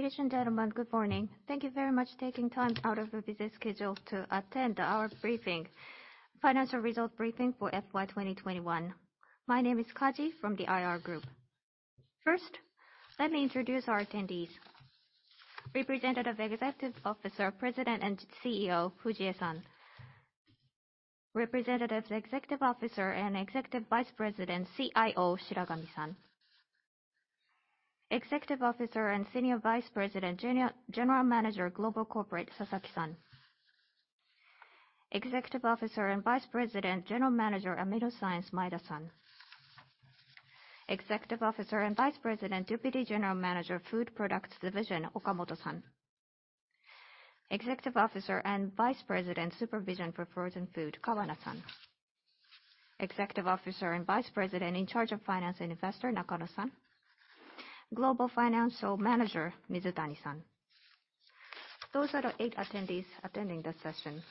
Ladies and gentlemen, good morning. Thank you very much for taking time out of your busy schedule to attend our briefing, financial result briefing for FY 2021. My name is Kaji from the IR group. First, let me introduce our attendees. Representative Executive Officer, President, and CEO, Fujie-san. Representative Executive Officer and Executive Vice President, CIO, Shiragami-san. Executive Officer and Senior Vice President, General Manager, Global Corporate, Sasaki-san. Executive Officer and Vice President, General Manager, AminoScience, Maeda-san. Executive Officer and Vice President, Deputy General Manager, Food Products Division, Okamoto-san. Executive Officer and Vice President, Supervision for Frozen Food, Kawahara-san. Executive Officer and Vice President in charge of Finance and Investor, Nakano-san. Global Financial Manager, Mizutani-san. Those are the eight attendees attending the session.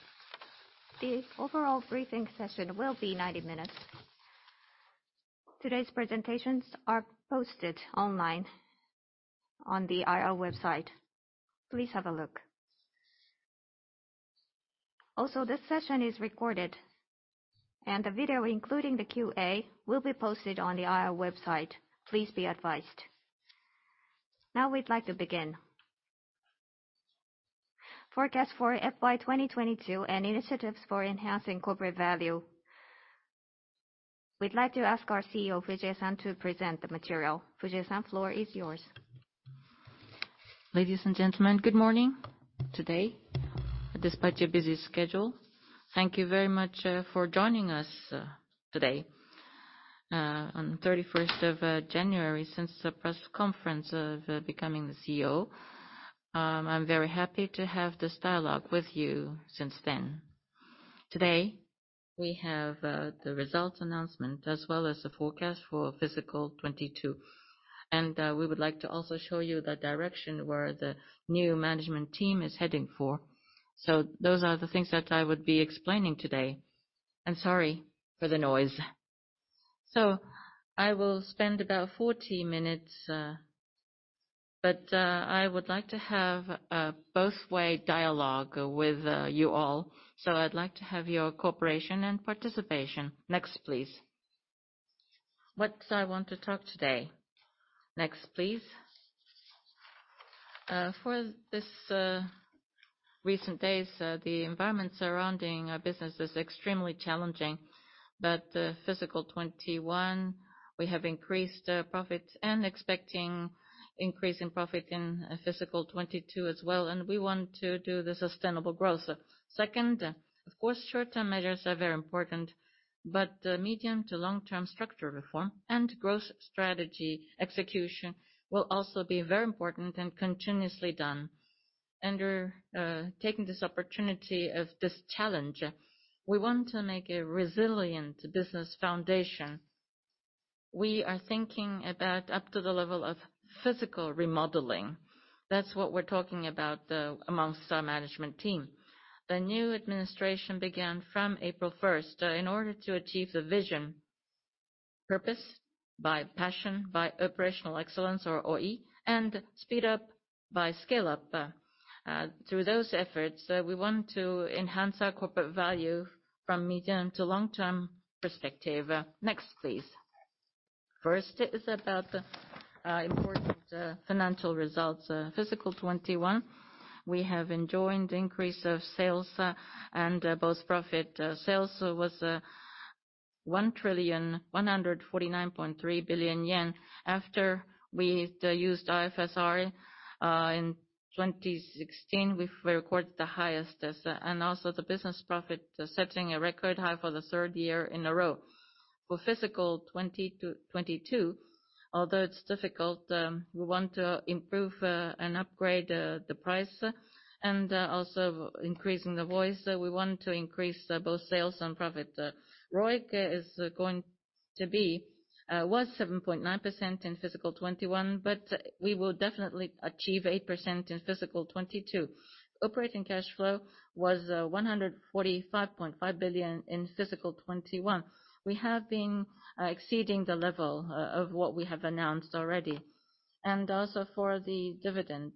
The overall briefing session will be 90 minutes. Today's presentations are posted online on the IR website. Please have a look. Also, this session is recorded, and the video, including the QA, will be posted on the IR website. Please be advised. Now we'd like to begin. Forecast for FY 2022 and initiatives for enhancing corporate value. We'd like to ask our CEO, Fujie-san, to present the material. Fujie-san, floor is yours. Ladies and gentlemen, good morning. Today, despite your busy schedule, thank you very much for joining us today on the thirty-first of January since the press conference of becoming the CEO. I'm very happy to have this dialogue with you since then. Today, we have the results announcement as well as the forecast for fiscal 2022. We would like to also show you the direction where the new management team is heading for. Those are the things that I would be explaining today. Sorry for the noise. I will spend about 40 minutes, but I would like to have a both way dialogue with you all. I'd like to have your cooperation and participation. Next, please. What I want to talk today. Next, please. In these recent days, the environment surrounding our business is extremely challenging. Fiscal 2021, we have increased profits and expecting increase in profit in fiscal 2022 as well, and we want to do the sustainable growth. Second, of course, short-term measures are very important, but the medium to long-term structural reform and growth strategy execution will also be very important and continuously done. By taking this opportunity of this challenge, we want to make a resilient business foundation. We are thinking about up to the level of physical remodeling. That's what we're talking about amongst our management team. The new administration began from April 1 in order to achieve the vision, purpose by passion, by operational excellence or OE, and speed up by scale up. Through those efforts, we want to enhance our corporate value from medium- to long-term perspective. Next, please. First is about the important financial results. Fiscal 2021, we have enjoyed increase in sales and profit. Sales was 1,149.3 billion yen. After we used IFRS in 2016, we've recorded the highest. Business profit setting a record high for the third year in a row. For fiscal 2022, although it's difficult, we want to improve and upgrade the price, and also increasing the volume. We want to increase both sales and profit. ROIC was 7.9% in fiscal 2021, but we will definitely achieve 8% in fiscal 2022. Operating cash flow was 145.5 billion in fiscal 2021. We have been exceeding the level of what we have announced already. For the dividend,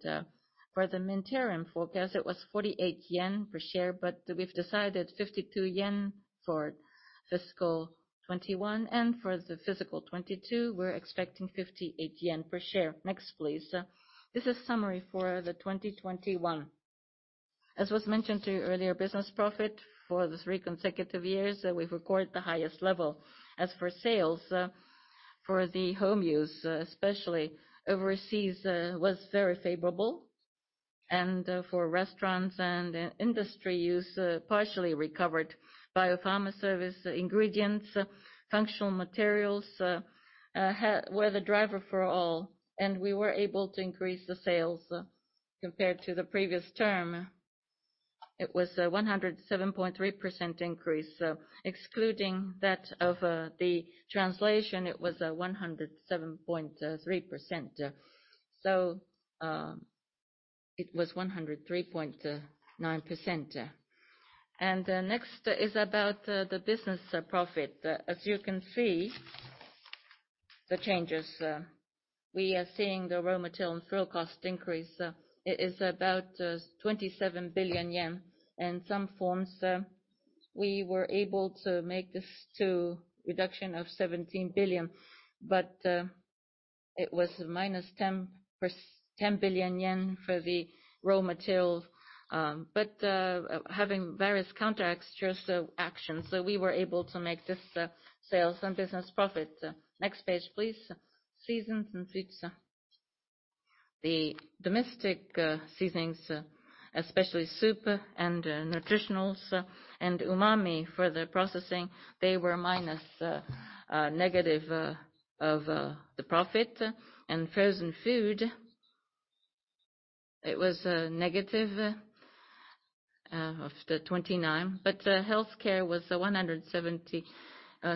for the interim forecast, it was 48 yen per share, but we've decided 52 yen for fiscal 2021. For fiscal 2022, we're expecting 58 yen per share. Next, please. This is summary for 2021. As was mentioned to you earlier, business profit for the three consecutive years, we've recorded the highest level. As for sales, for the home use, especially overseas, was very favorable. For restaurants and industry use, partially recovered. Biopharma service ingredients, functional materials were the driver for all, and we were able to increase the sales compared to the previous term. It was a 107.3% increase. Excluding that of the translation, it was 107.3%. It was 103.9%. Next is about the business profit. As you can see, the changes we are seeing the raw material and fuel cost increase. It is about 27 billion yen. In some forms, we were able to make a reduction of 17 billion, but it was minus 10 billion yen for the raw material. Having various countermeasures and actions, we were able to make this sales and business profit. Next page, please. Seasonings and foods. The domestic seasonings, especially soup and nutritionals and umami for the processing, they were a negative on the profit. Frozen food, it was a negative of JPY 29 billion. Healthcare was 170,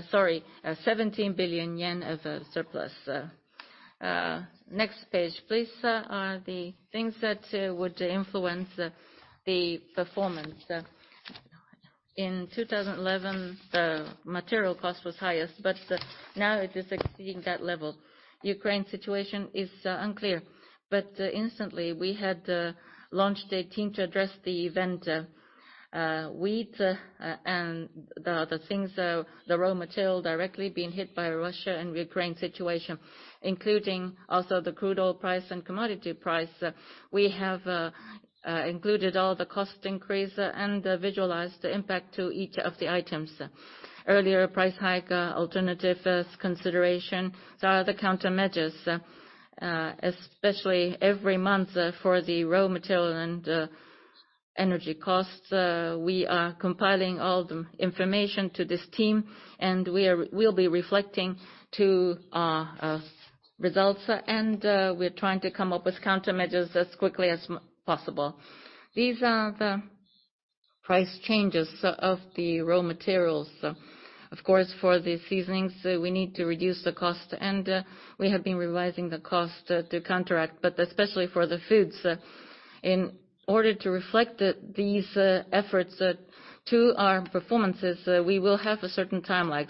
sorry, 17 billion yen of surplus. Next page please. Here are the things that would influence the performance. In 2011, the material cost was highest, but now it is exceeding that level. Ukraine situation is unclear, but instantly, we had launched a team to address the event. Wheat and the other things, the raw material directly being hit by Russia and Ukraine situation, including also the crude oil price and commodity price. We have included all the cost increase and visualized the impact to each of the items. Earlier price hike, alternative, consideration. These are the countermeasures, especially every month, for the raw material and energy costs. We are compiling all the information to this team, and we'll be reflecting to results. We're trying to come up with countermeasures as quickly as possible. These are the price changes of the raw materials. Of course, for the seasonings, we need to reduce the cost, and we have been revising the cost to counteract. Especially for the foods, in order to reflect these efforts to our performances, we will have a certain time lag.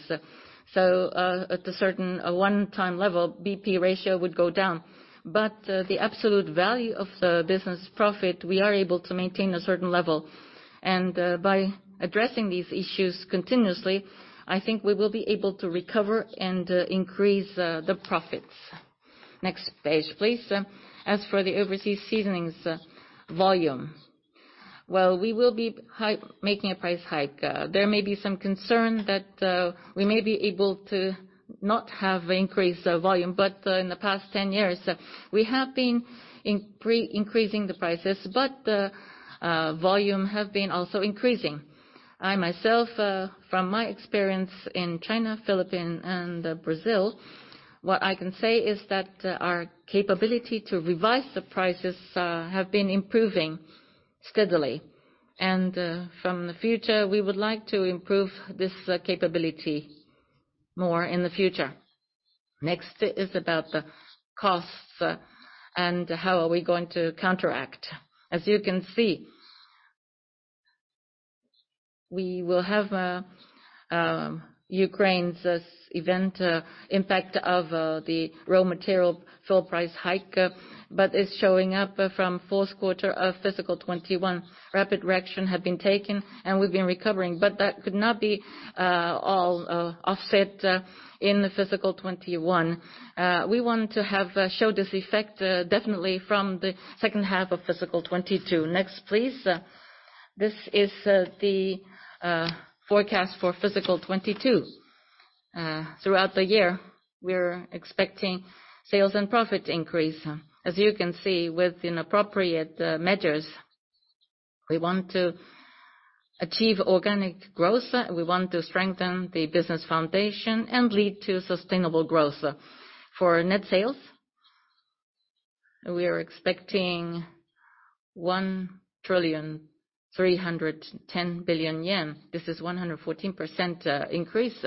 At a certain one-time level, BP ratio would go down. The absolute value of the business profit, we are able to maintain a certain level. By addressing these issues continuously, I think we will be able to recover and increase the profits. Next page, please. As for the overseas seasonings volume, well, we will be making a price hike. There may be some concern that we may be able to not have increased volume. In the past 10 years, we have been increasing the prices, but volume have been also increasing. I, myself, from my experience in China, Philippines, and Brazil, what I can say is that our capability to revise the prices have been improving steadily. From the future, we would like to improve this capability more in the future. Next is about the costs, and how are we going to counteract. As you can see, we will have Ukraine's event impact of the raw material fuel price hike, but it's showing up from fourth quarter of fiscal 2021. Rapid action have been taken, and we've been recovering, but that could not be all offset in the fiscal 2021. We want to show this effect definitely from the second half of fiscal 2022. Next, please. This is the forecast for fiscal 2022. Throughout the year, we're expecting sales and profit increase. As you can see, with appropriate measures, we want to achieve organic growth. We want to strengthen the business foundation and lead to sustainable growth. For net sales, we are expecting 1.31 trillion. This is 114% increase.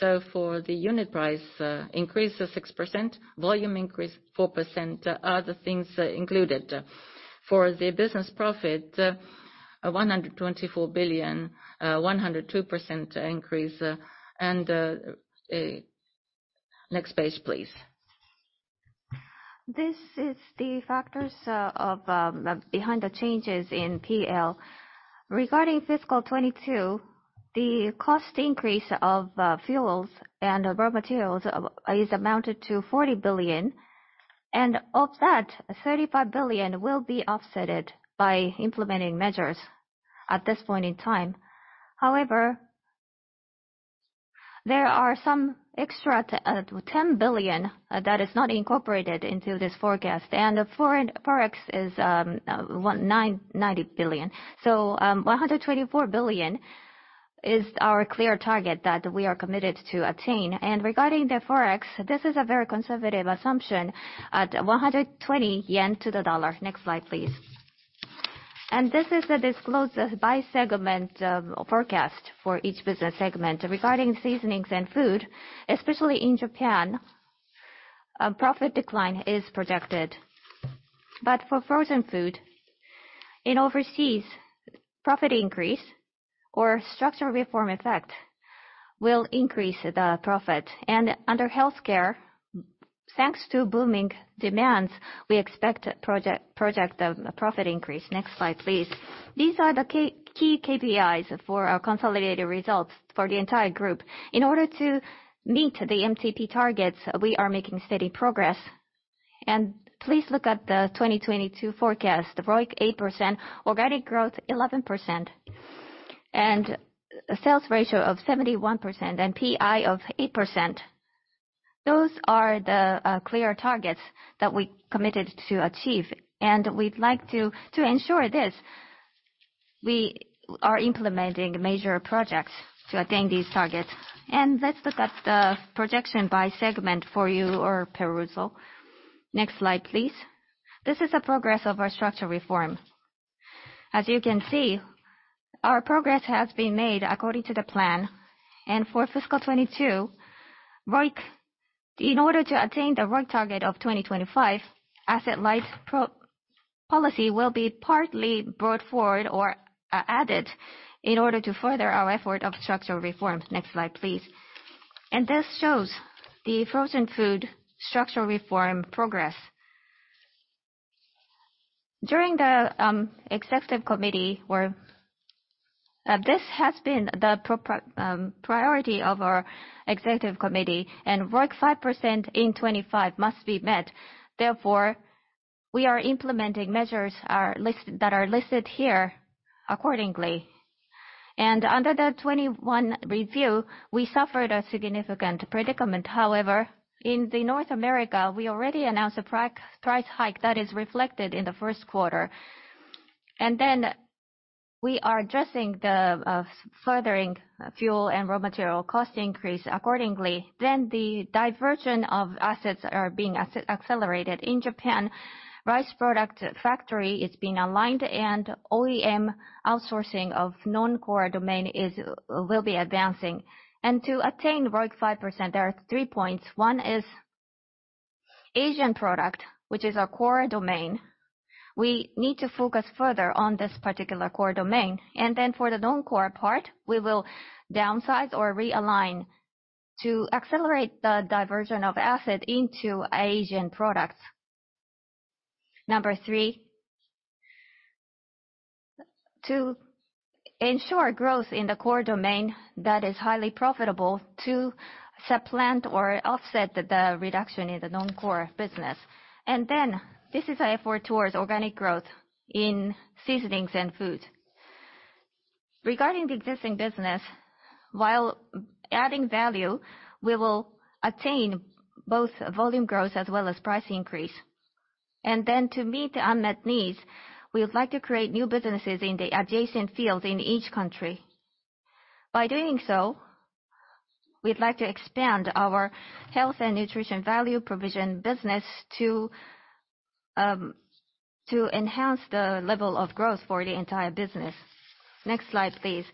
For the unit price increase is 6%, volume increase 4%, other things included. For the business profit, 124 billion, 102% increase. Next page, please. This is the factors behind the changes in PL. Regarding fiscal 2022, the cost increase of fuels and raw materials is amounted to 40 billion. Of that, 35 billion will be offset by implementing measures at this point in time. However, there are some extra ten billion that is not incorporated into this forecast. Foreign Forex is negative 90 billion. One hundred and twenty-four billion is our clear target that we are committed to attain. Regarding the Forex, this is a very conservative assumption at 120 yen to the dollar. Next slide, please. This is the disclosed by segment forecast for each business segment. Regarding seasonings and food, especially in Japan, a profit decline is projected. For frozen food, in overseas profit increase or structural reform effect will increase the profit. Under healthcare, thanks to booming demands, we expect a profit increase. Next slide, please. These are the key KPIs for our consolidated results for the entire group. In order to meet the MCP targets, we are making steady progress. Please look at the 2022 forecast. ROIC 8%, organic growth 11%, and sales ratio of 71% and PI of 8%. Those are the clear targets that we committed to achieve, and we'd like to ensure this. We are implementing major projects to attain these targets. Let's look at the projection by segment for your perusal. Next slide, please. This is the progress of our structural reform. As you can see, our progress has been made according to the plan. For fiscal 2022, ROIC. In order to attain the ROIC target of 2025, asset light policy will be partly brought forward or added in order to further our effort of structural reform. Next slide, please. This shows the frozen food structural reform progress. During the executive committee, this has been the priority of our executive committee. ROIC 5% in 2025 must be met. Therefore, we are implementing measures that are listed here accordingly. Under the 2021 review, we suffered a significant predicament. However, in North America, we already announced a price hike that is reflected in the first quarter. We are addressing the further fuel and raw material cost increase accordingly. The diversion of assets are being accelerated. In Japan, rice product factory is being aligned and OEM outsourcing of non-core domain will be advancing. To attain ROIC 5%, there are three points. One is Asian product, which is our core domain. We need to focus further on this particular core domain. For the non-core part, we will downsize or realign to accelerate the diversion of asset into Asian products. Number three, to ensure growth in the core domain that is highly profitable to supplant or offset the reduction in the non-core business. This is our effort towards organic growth in seasonings and food. Regarding the existing business, while adding value, we will attain both volume growth as well as price increase. To meet the unmet needs, we would like to create new businesses in the adjacent fields in each country. By doing so, we'd like to expand our health and nutrition value provision business to enhance the level of growth for the entire business. Next slide, please.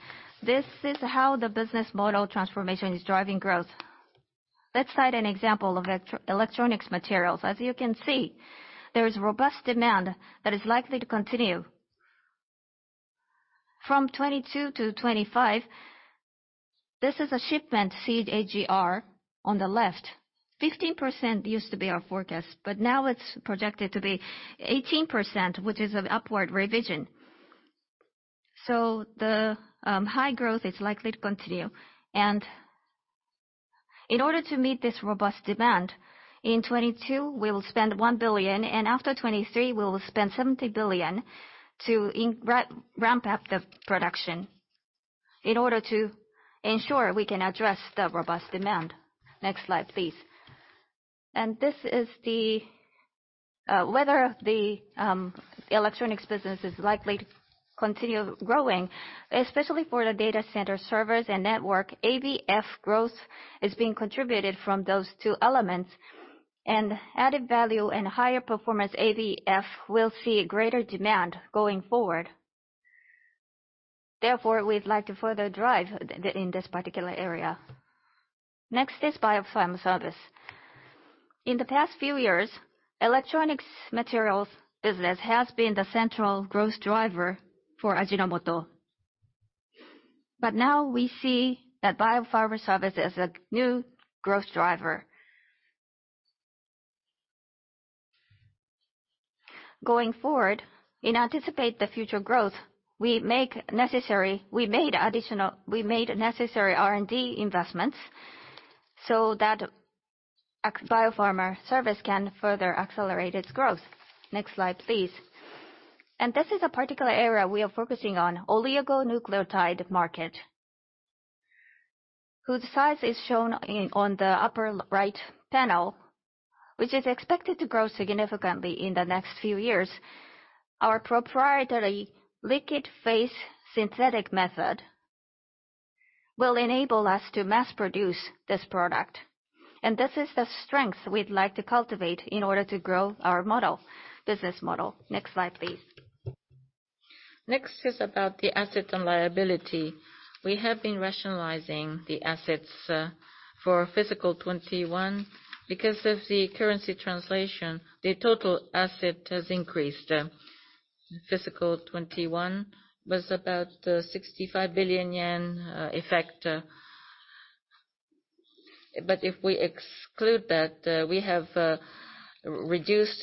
This is how the business model transformation is driving growth. Let's cite an example of electronics materials. As you can see, there is robust demand that is likely to continue. From 2022 to 2025, this is a shipment CAGR on the left. 15% used to be our forecast, but now it's projected to be 18%, which is an upward revision. So the high growth is likely to continue. In order to meet this robust demand, in 2022, we will spend 1 billion, and after 2023, we will spend 70 billion to ramp up the production in order to ensure we can address the robust demand. Next slide, please. This is whether the electronics business is likely to continue growing, especially for the data center servers and network. ABF growth is being contributed from those two elements. Added value and higher performance ABF will see greater demand going forward. Therefore, we'd like to further drive in this particular area. Next is Biopharma Service. In the past few years, electronics materials business has been the central growth driver for Ajinomoto. Now we see that Biopharma Service is a new growth driver. Going forward, in anticipation of the future growth, we made additional necessary R&D investments so that Biopharma Service can further accelerate its growth. Next slide, please. This is a particular area we are focusing on, oligonucleotide market, whose size is shown on the upper right panel, which is expected to grow significantly in the next few years. Our proprietary liquid phase synthetic method will enable us to mass produce this product. This is the strength we'd like to cultivate in order to grow our model, business model. Next slide, please. Next is about the assets and liabilities. We have been rationalizing the assets for fiscal 2021. Because of the currency translation, the total asset has increased. Fiscal 2021 was about JPY 65 billion effect. If we exclude that, we have reduced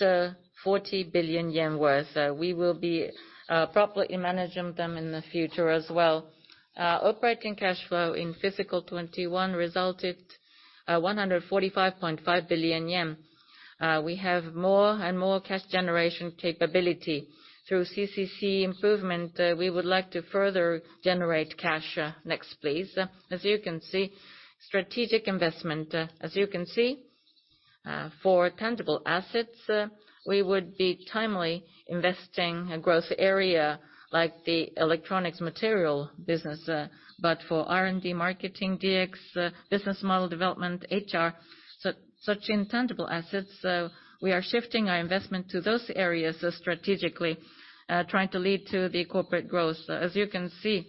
40 billion yen worth. We will be properly managing them in the future as well. Operating cash flow in fiscal 2021 resulted in 145.5 billion yen. We have more and more cash generation capability. Through CCC improvement, we would like to further generate cash. Next, please. As you can see, strategic investment. As you can see, for tangible assets, we would be timely investing in a growth area like the electronics material business. For R&D, marketing, DX, business model development, HR, such intangible assets, we are shifting our investment to those areas strategically, trying to lead to the corporate growth. As you can see,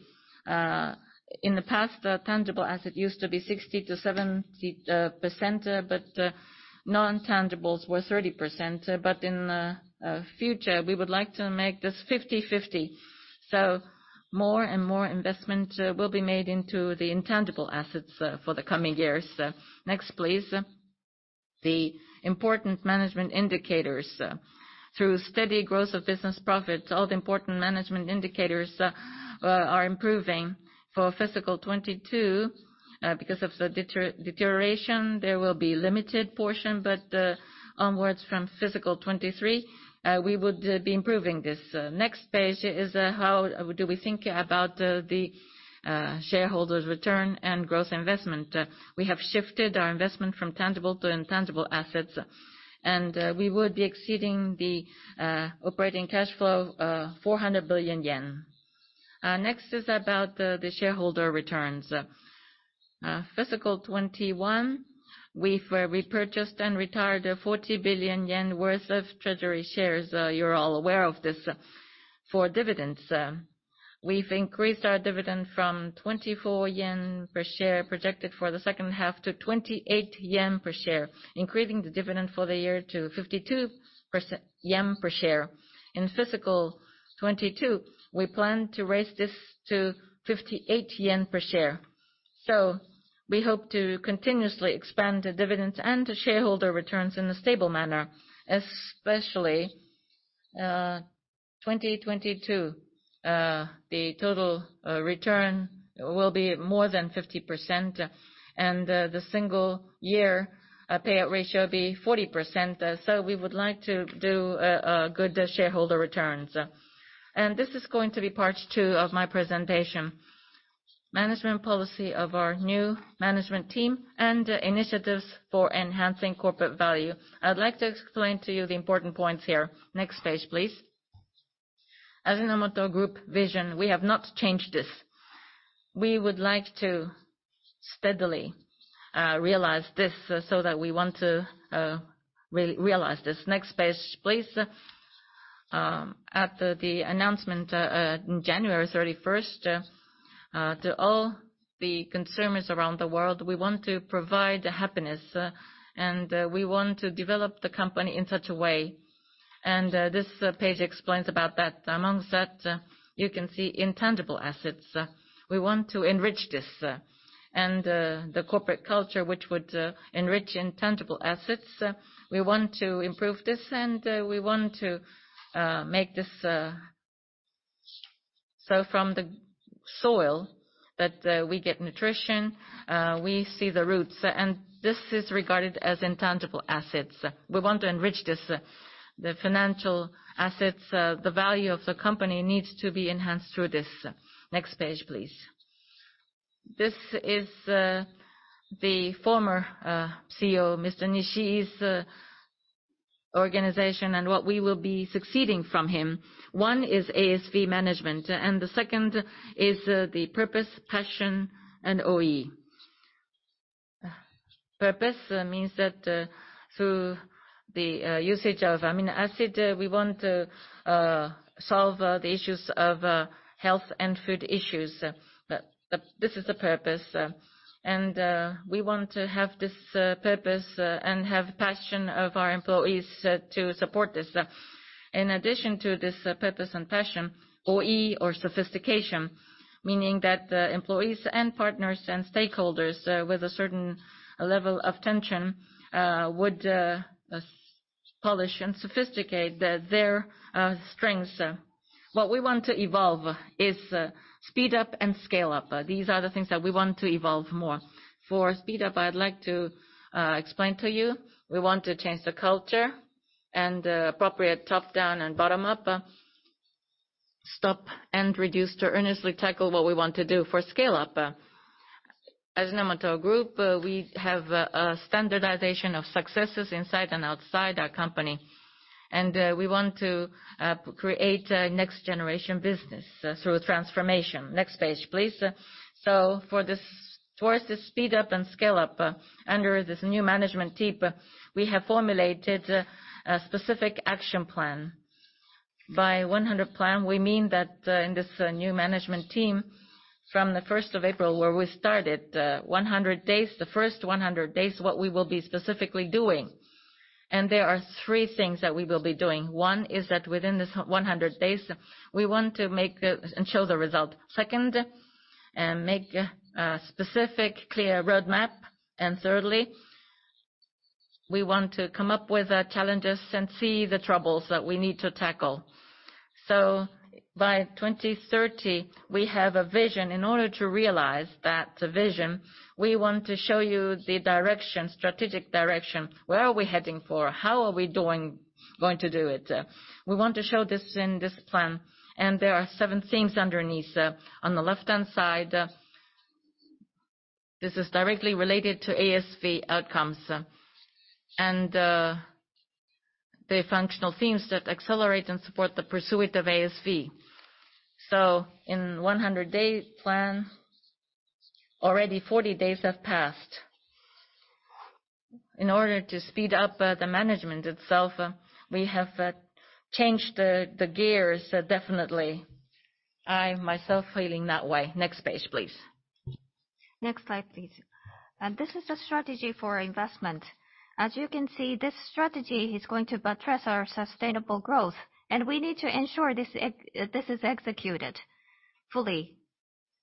in the past, the tangible asset used to be 60%-70%, but non-tangibles were 30%. In future, we would like to make this 50/50. More and more investment will be made into the intangible assets, for the coming years. Next, please. The important management indicators. Through steady growth of business profits, all the important management indicators are improving for fiscal 2022. Because of the deterioration, there will be limited portion, but, onwards from fiscal 2023, we would be improving this. Next page is how do we think about the shareholders' return and growth investment. We have shifted our investment from tangible to intangible assets, and we would be exceeding the operating cash flow 400 billion yen. Next is about the shareholder returns. Fiscal 2021, we've repurchased and retired 40 billion yen worth of treasury shares. You're all aware of this. For dividends, we've increased our dividend from 24 yen per share projected for the second half to 28 yen per share, increasing the dividend for the year to 52 yen per share. In fiscal 2022, we plan to raise this to 58 yen per share. We hope to continuously expand the dividends and the shareholder returns in a stable manner, especially 2022. The total return will be more than 50%, and the single year payout ratio will be 40%. We would like to do good shareholder returns. This is going to be part two of my presentation. Management policy of our new management team and initiatives for enhancing corporate value. I'd like to explain to you the important points here. Next page, please. Ajinomoto Group vision, we have not changed this. We would like to steadily realize this so that we want to realize this. Next page, please. At the announcement in January thirty-first to all the consumers around the world, we want to provide happiness and we want to develop the company in such a way. This page explains about that. Among that, you can see intangible assets. We want to enrich this. The corporate culture, which would enrich intangible assets, we want to improve this, and we want to make this. From the soil that we get nutrition, we see the roots. This is regarded as intangible assets. We want to enrich this. The financial assets, the value of the company needs to be enhanced through this. Next page, please. This is the former CEO, Mr. Nishii's organization and what we will be succeeding from him. One is ASV management, and the second is the purpose, passion, and OI. Purpose means that through the usage of amino acid, we want to solve the issues of health and food issues. This is the purpose. We want to have this purpose and have passion of our employees to support this. In addition to this purpose and passion, OE or sophistication, meaning that employees and partners and stakeholders with a certain level of tension would polish and sophisticate their strengths. What we want to evolve is speed up and scale up. These are the things that we want to evolve more. For speed up, I'd like to explain to you we want to change the culture and appropriate top-down and bottom-up, stop and reduce to earnestly tackle what we want to do. For scale up, Ajinomoto Group, we have a standardization of successes inside and outside our company, and we want to create a next-generation business through transformation. Next page, please. Towards the speed up and scale up under this new management team, we have formulated a specific action plan. By 100-day plan, we mean that in this new management team from the first of April where we started 100 days, the first 100 days, what we will be specifically doing. There are three things that we will be doing. One is that within this 100 days, we want to show the result. Second, make a specific clear roadmap. Thirdly, we want to come up with challenges and see the troubles that we need to tackle. By 2030, we have a vision. In order to realize that vision, we want to show you the direction, strategic direction. Where are we heading for? How are we going to do it? We want to show this in this plan, and there are seven themes underneath. On the left-hand side, this is directly related to ASV outcomes, and the functional themes that accelerate and support the pursuit of ASV. In 100-day plan, already 40 days have passed. In order to speed up the management itself, we have changed the gears definitely. I myself feeling that way. Next page, please. Next slide, please. This is the strategy for investment. As you can see, this strategy is going to buttress our sustainable growth. We need to ensure this is executed fully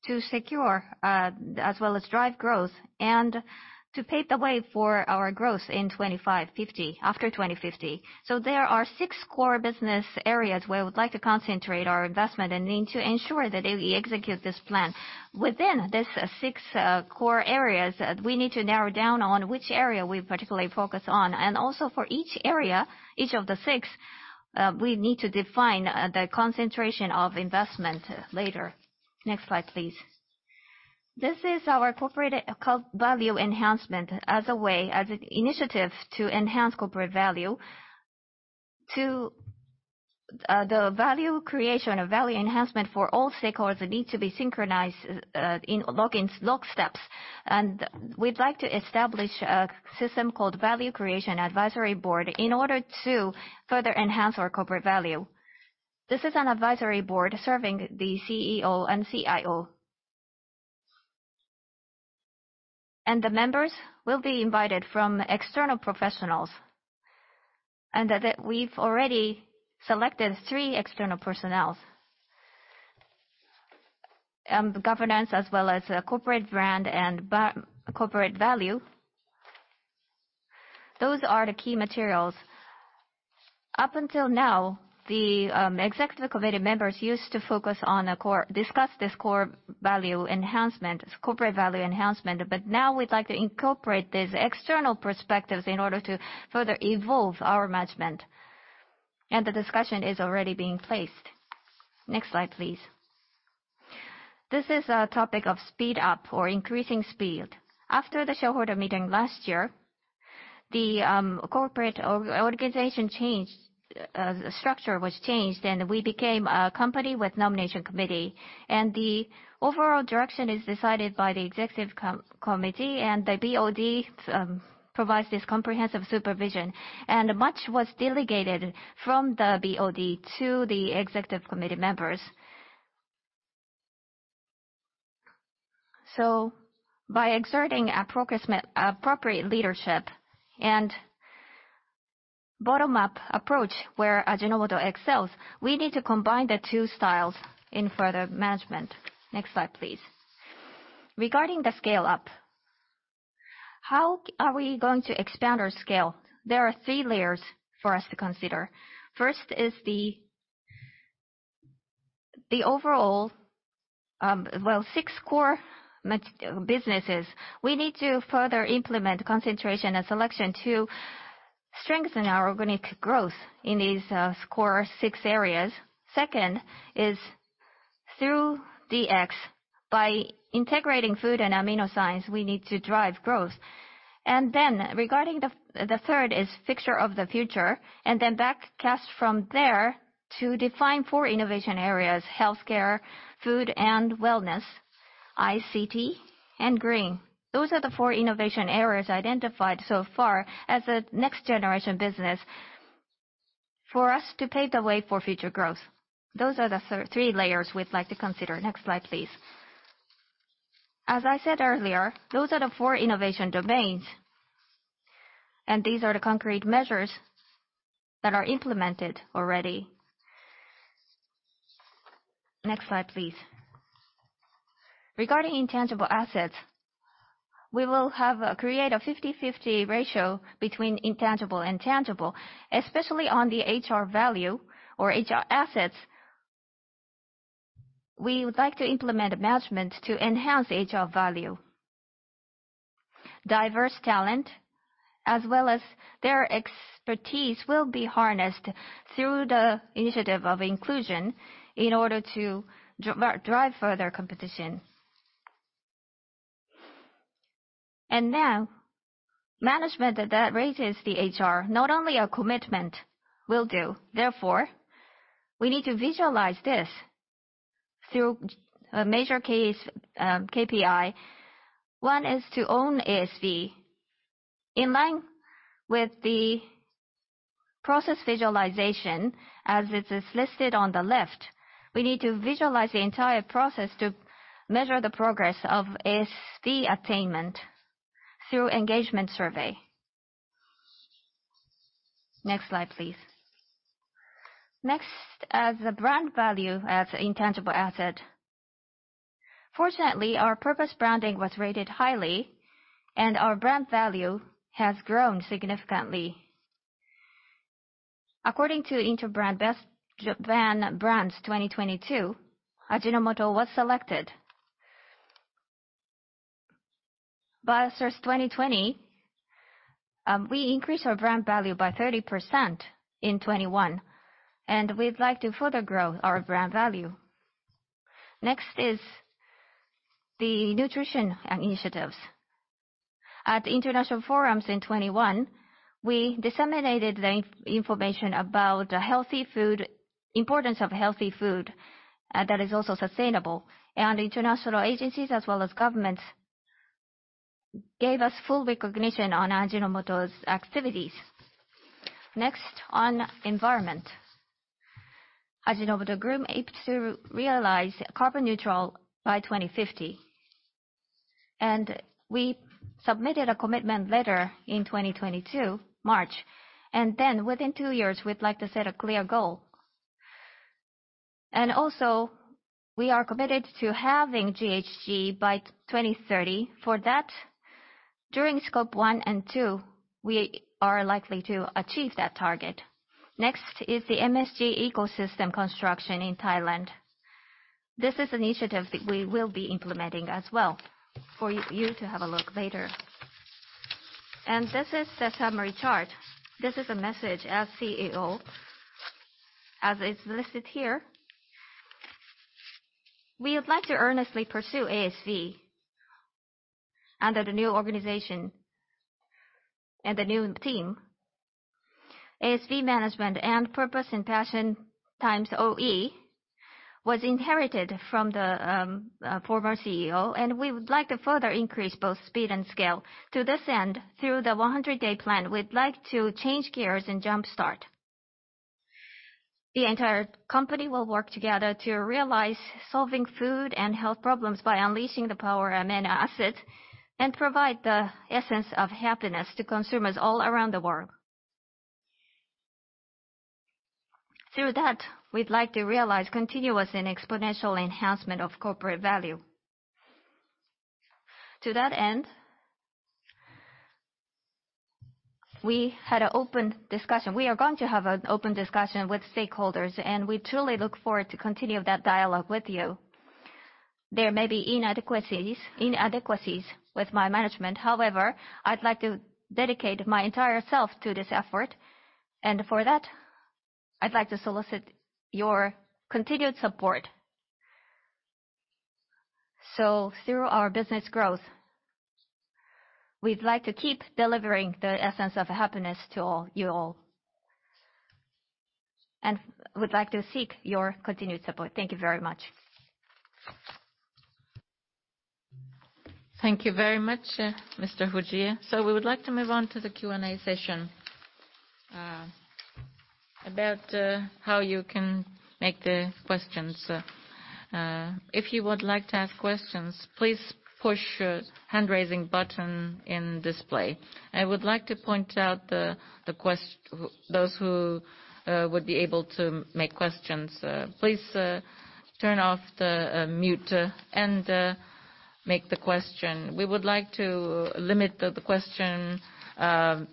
to secure, as well as drive growth and to pave the way for our growth in 2055, after 2050. There are six core business areas where we'd like to concentrate our investment and need to ensure that they execute this plan. Within these six core areas, we need to narrow down on which area we particularly focus on. Also for each area, each of the six, we need to define the concentration of investment later. Next slide, please. This is our corporate called value enhancement. As a way, as an initiative to enhance corporate value to the value creation or value enhancement for all stakeholders that need to be synchronized in lockstep. We'd like to establish a system called Value Creation Advisory Board in order to further enhance our corporate value. This is an advisory board serving the CEO and CIO. The members will be invited from external professionals. We've already selected three external personnel. Governance as well as corporate brand and corporate value, those are the key materials. Up until now, the executive committee members used to focus on the core, discuss this core value enhancement, corporate value enhancement. But now we'd like to incorporate these external perspectives in order to further evolve our management. The discussion is already taking place. Next slide, please. This is a topic of speed up or increasing speed. After the shareholder meeting last year, the corporate organization changed. Structure was changed, and we became a company with nomination committee. The overall direction is decided by the executive committee, and the BOD provides this comprehensive supervision. Much was delegated from the BOD to the executive committee members. By exerting appropriate leadership and bottom-up approach, where Ajinomoto excels, we need to combine the two styles in further management. Next slide, please. Regarding the scale up, how are we going to expand our scale? There are three layers for us to consider. First is the overall, well, six core businesses. We need to further implement concentration and selection to strengthen our organic growth in these core six areas. Second is through DX. By integrating food and amino science, we need to drive growth. Regarding the third is picture of the future, and then backcast from there to define four innovation areas, healthcare, food and wellness, ICT, and green. Those are the four innovation areas identified so far as a next-generation business for us to pave the way for future growth. Those are the three layers we'd like to consider. Next slide, please. As I said earlier, those are the four innovation domains, and these are the concrete measures that are implemented already. Next slide, please. Regarding intangible assets, we will create a 50/50 ratio between intangible and tangible, especially on the HR value or HR assets. We would like to implement a management to enhance HR value. Diverse talent, as well as their expertise, will be harnessed through the initiative of inclusion in order to drive further competition. Now management that raises the HR not only a commitment will do. Therefore, we need to visualize this through a major case KPI. One is to own ASV. In line with the process visualization, as it is listed on the left, we need to visualize the entire process to measure the progress of ASV attainment through engagement survey. Next slide, please. Next, as the brand value as intangible asset. Fortunately, our purpose branding was rated highly, and our brand value has grown significantly. According to Interbrand Best Brands 2022, Ajinomoto was selected. By source 2020, we increased our brand value by 30% in 2021, and we'd like to further grow our brand value. Next is the nutrition initiatives. At international forums in 2021, we disseminated the information about healthy food importance of healthy food that is also sustainable. International agencies as well as governments gave us full recognition on Ajinomoto's activities. Next, on environment. Ajinomoto Group aims to realize carbon neutral by 2050. We submitted a commitment letter in March 2022. Then within 2 years we'd like to set a clear goal. We are committed to halving GHG by 2030. For that, for Scope 1 and 2, we are likely to achieve that target. Next is the MSG ecosystem construction in Thailand. This is initiative that we will be implementing as well for you to have a look later. This is the summary chart. This is a message as CEO. As is listed here, we would like to earnestly pursue ASV under the new organization and the new team. ASV management and purpose and passion times OE was inherited from the former CEO, and we would like to further increase both speed and scale. To this end, through the 100-day plan, we'd like to change gears and jumpstart. The entire company will work together to realize solving food and health problems by unleashing the power of amino acids, and provide the essence of happiness to consumers all around the world. Through that, we'd like to realize continuous and exponential enhancement of corporate value. To that end, we are going to have an open discussion with stakeholders, and we truly look forward to continue that dialogue with you. There may be inadequacies with my management. However, I'd like to dedicate my entire self to this effort. For that, I'd like to solicit your continued support. Through our business growth, we'd like to keep delivering the essence of happiness to all, you all. We'd like to seek your continued support. Thank you very much. Thank you very much, Mr. Fujie. We would like to move on to the Q&A session. About how you can make the questions, if you would like to ask questions, please push hand-raising button in display. I would like to point out. Those who would be able to make questions, please turn off the mute and make the question. We would like to limit the question to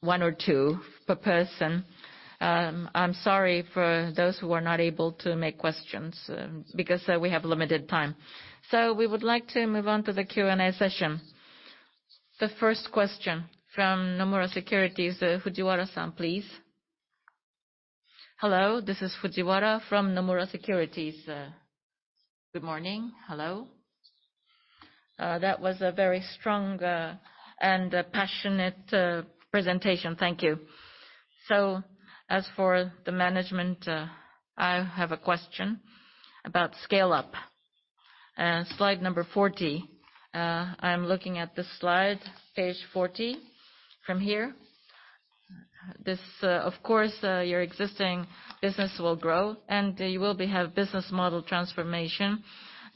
one or two per person. I'm sorry for those who are not able to make questions, because we have limited time. We would like to move on to the Q&A session. The first question from Nomura Securities, Fujiwara-san, please. Hello, this is Fujiwara from Nomura Securities. Good morning. Hello. That was a very strong and passionate presentation. Thank you. As for the management, I have a question about scale-up. Slide number 40. I'm looking at this slide, page 40. From here, of course, your existing business will grow and you will be have business model transformation,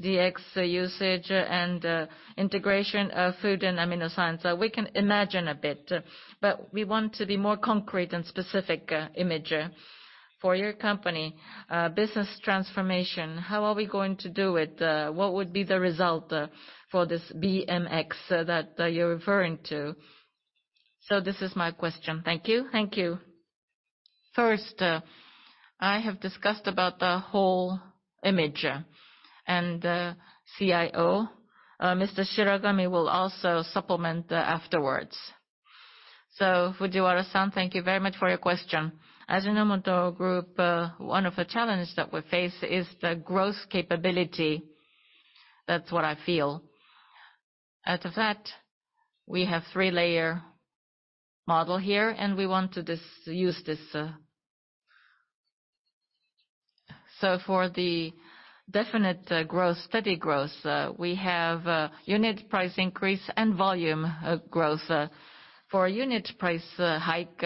DX usage and integration of food and amino science. We can imagine a bit, but we want to be more concrete and specific image. For your company, business transformation, how are we going to do it? What would be the result for this BMX that you're referring to? This is my question. Thank you. Thank you. First, I have discussed about the whole image, and CIO, Mr. Shiragami, will also supplement afterwards. Fujiwara-san, thank you very much for your question. Ajinomoto Group, one of the challenges that we face is the growth capability. That's what I feel. Out of that, we have three layer model here, and we want to use this. For the definite growth, steady growth, we have unit price increase and volume growth. For unit price hike,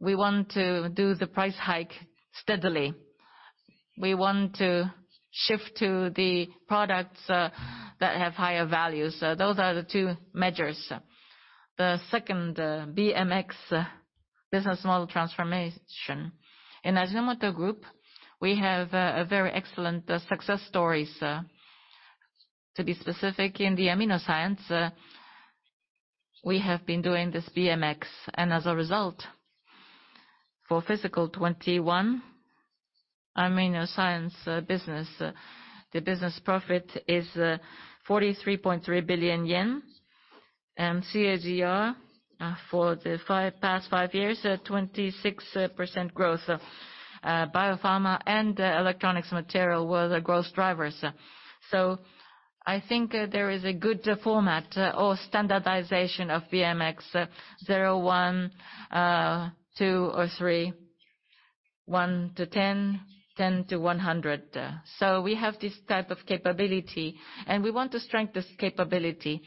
we want to do the price hike steadily. We want to shift to the products that have higher value. Those are the two measures. The second, BMX business model transformation. In Ajinomoto Group, we have a very excellent success stories. To be specific, in the AminoScience, we have been doing this BMX and as a result for fiscal 2021, our AminoScience business, the business profit is 43.3 billion yen. CAGR for the past five years at 26% growth. Biopharma and electronics material were the growth drivers. I think there is a good format or standardization of BMX 0, 1, 2 or 3. 1 to 10 to 100. We have this type of capability, and we want to strengthen this capability.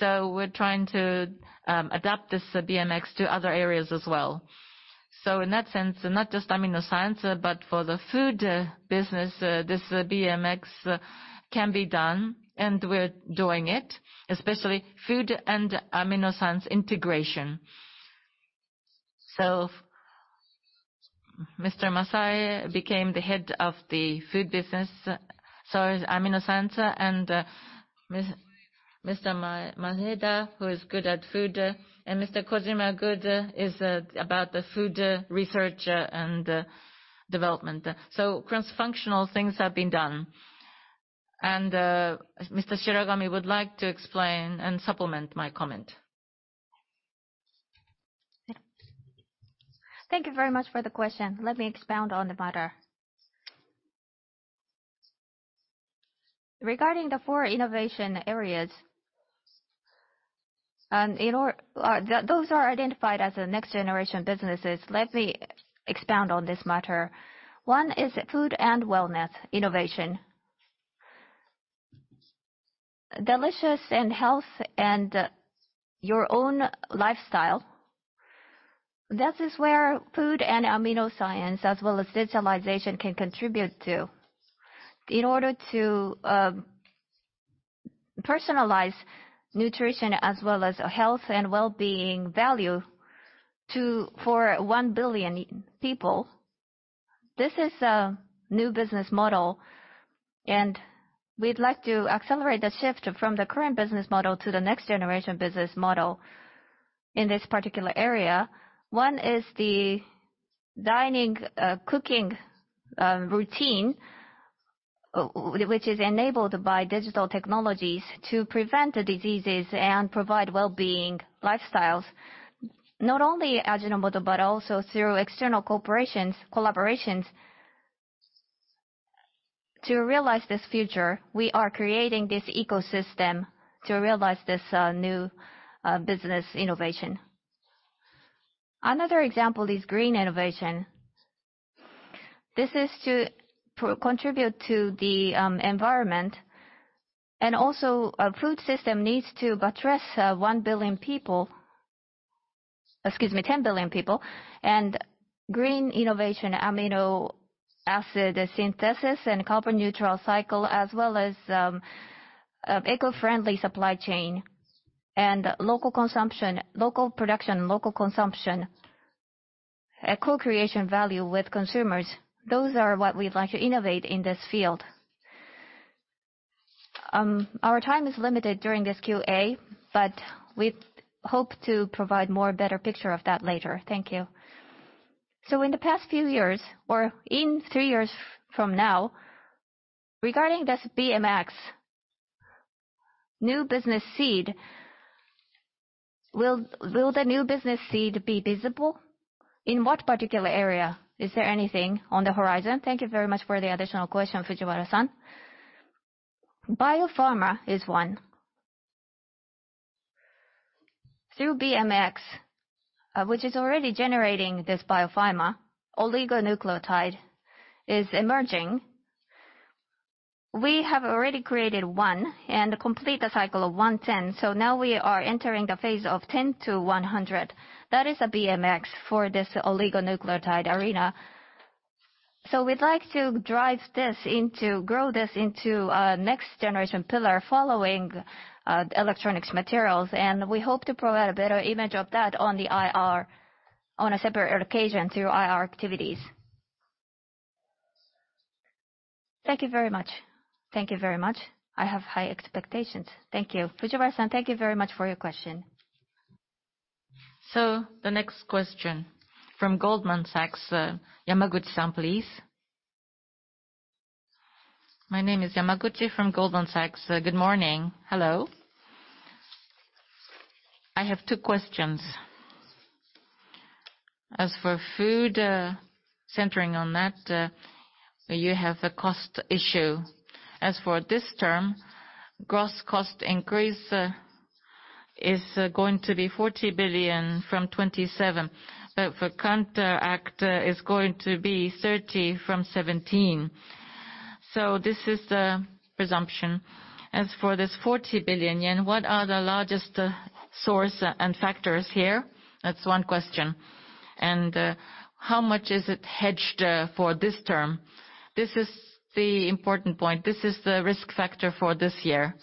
We're trying to adapt this BMX to other areas as well. In that sense, not just AminoScience, but for the food business, this BMX can be done, and we're doing it, especially food and AminoScience integration. Yoshiteru Masai became the head of the food business. In AminoScience and Mr. Maeda, who is good at food, and Mr. Kojima is good at the food research and development. Cross-functional things have been done. Mr. Shiragami would like to explain and supplement my comment. Thank you very much for the question. Let me expound on the matter. Regarding the four innovation areas, those are identified as the next generation businesses. Let me expound on this matter. One is food and wellness innovation. Delicious and health and your own lifestyle. This is where food and amino science as well as digitalization can contribute to. In order to personalize nutrition as well as health and wellbeing value to, for 1 billion people, this is a new business model. We'd like to accelerate the shift from the current business model to the next generation business model in this particular area. One is the dining, cooking, routine, which is enabled by digital technologies to prevent diseases and provide wellbeing lifestyles. Not only Ajinomoto, but also through external corporations, collaborations. To realize this future, we are creating this ecosystem to realize this new business innovation. Another example is green innovation. This is to contribute to the environment and also a food system needs to buttress 1 billion people. Excuse me, 10 billion people. Green innovation, amino acid synthesis and carbon neutral cycle as well as eco-friendly supply chain and local consumption, local production, local consumption. A co-creation value with consumers. Those are what we'd like to innovate in this field. Our time is limited during this Q&A, but we hope to provide more better picture of that later. Thank you. In the past few years, or in 3 years from now, regarding this BMX new business seed, will the new business seed be visible? In what particular area is there anything on the horizon? Thank you very much for the additional question, Fujiwara-san. Biopharma is one. Through BMX, which is already generating this biopharma, oligonucleotide is emerging. We have already created one and completed the cycle of 1-10, so now we are entering the phase of 10-100. That is a BMX for this oligonucleotide arena. We'd like to drive this into, grow this into a next generation pillar following electronics materials. We hope to provide a better image of that on the IR on a separate occasion through IR activities. Thank you very much. Thank you very much. I have high expectations. Thank you. Fujiwara-san, thank you very much for your question. The next question from Goldman Sachs, Yamaguchi-san, please. My name is Yamaguchi from Goldman Sachs. Good morning. Hello. I have two questions. As for food, centering on that, you have a cost issue. As for this term, gross cost increase is going to be 40 billion from 27 billion, but for counteract is going to be 30 billion from 17 billion. This is the presumption. As for this 40 billion yen, what are the largest source and factors here? That's one question. And how much is it hedged for this term? This is the important point. This is the risk factor for this year.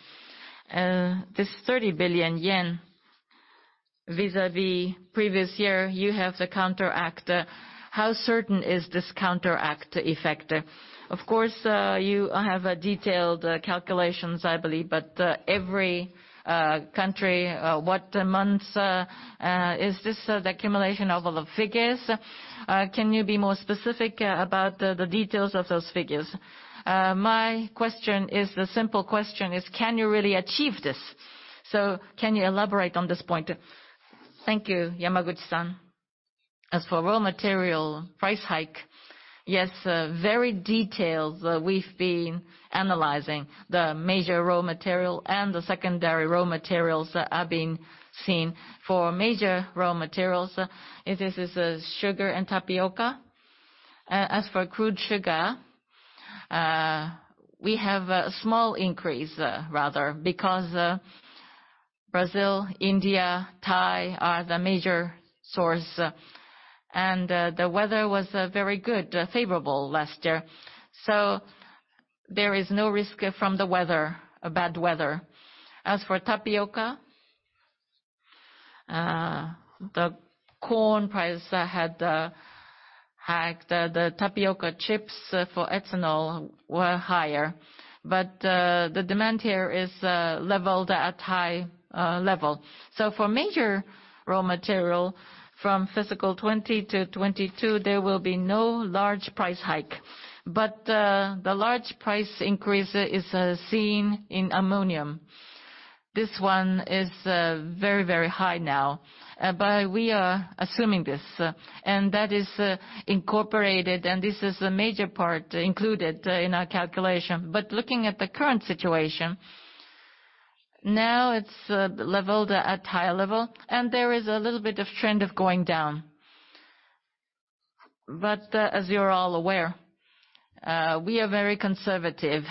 This 30 billion yen vis-à-vis previous year, you have the counteract. How certain is this counteract effect? Of course, you have detailed calculations, I believe, but every country, what months, is this the accumulation of all the figures? Can you be more specific about the details of those figures? My question is simple, can you really achieve this? Can you elaborate on this point? Thank you, Yamaguchi-san. As for raw material price hike, yes, very detailed. We've been analyzing the major raw material and the secondary raw materials are being seen. For major raw materials, it is sugar and tapioca. As for crude sugar, we have a small increase rather because Brazil, India, Thailand are the major source, and the weather was very good, favorable last year. There is no risk from the weather, bad weather. As for tapioca, the corn price had hiked. The tapioca chips for ethanol were higher, but the demand here is leveled at high level. For major raw material from fiscal 2020 to 2022, there will be no large price hike. The large price increase is seen in ammonia. This one is very high now. We are assuming this, and that is incorporated, and this is a major part included in our calculation. Looking at the current situation, now it's leveled at high level, and there is a little bit of trend of going down. As you're all aware, we are very conservative.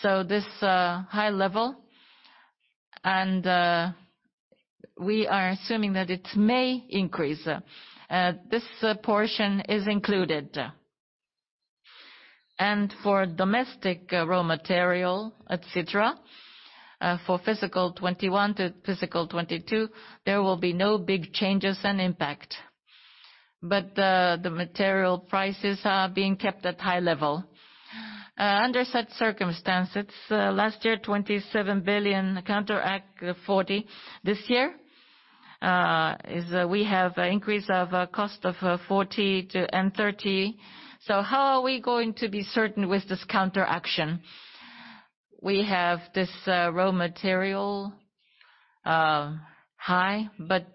This high level and we are assuming that it may increase. This portion is included. For domestic raw material, et cetera, for fiscal 2021 to 2022, there will be no big changes and impact. The material prices are being kept at high level. Under such circumstances, last year, 27 billion counteract 40 billion. This year, we have an increase of cost of 40 billion and 30 billion. How are we going to be certain with this counteraction? We have this raw material high, but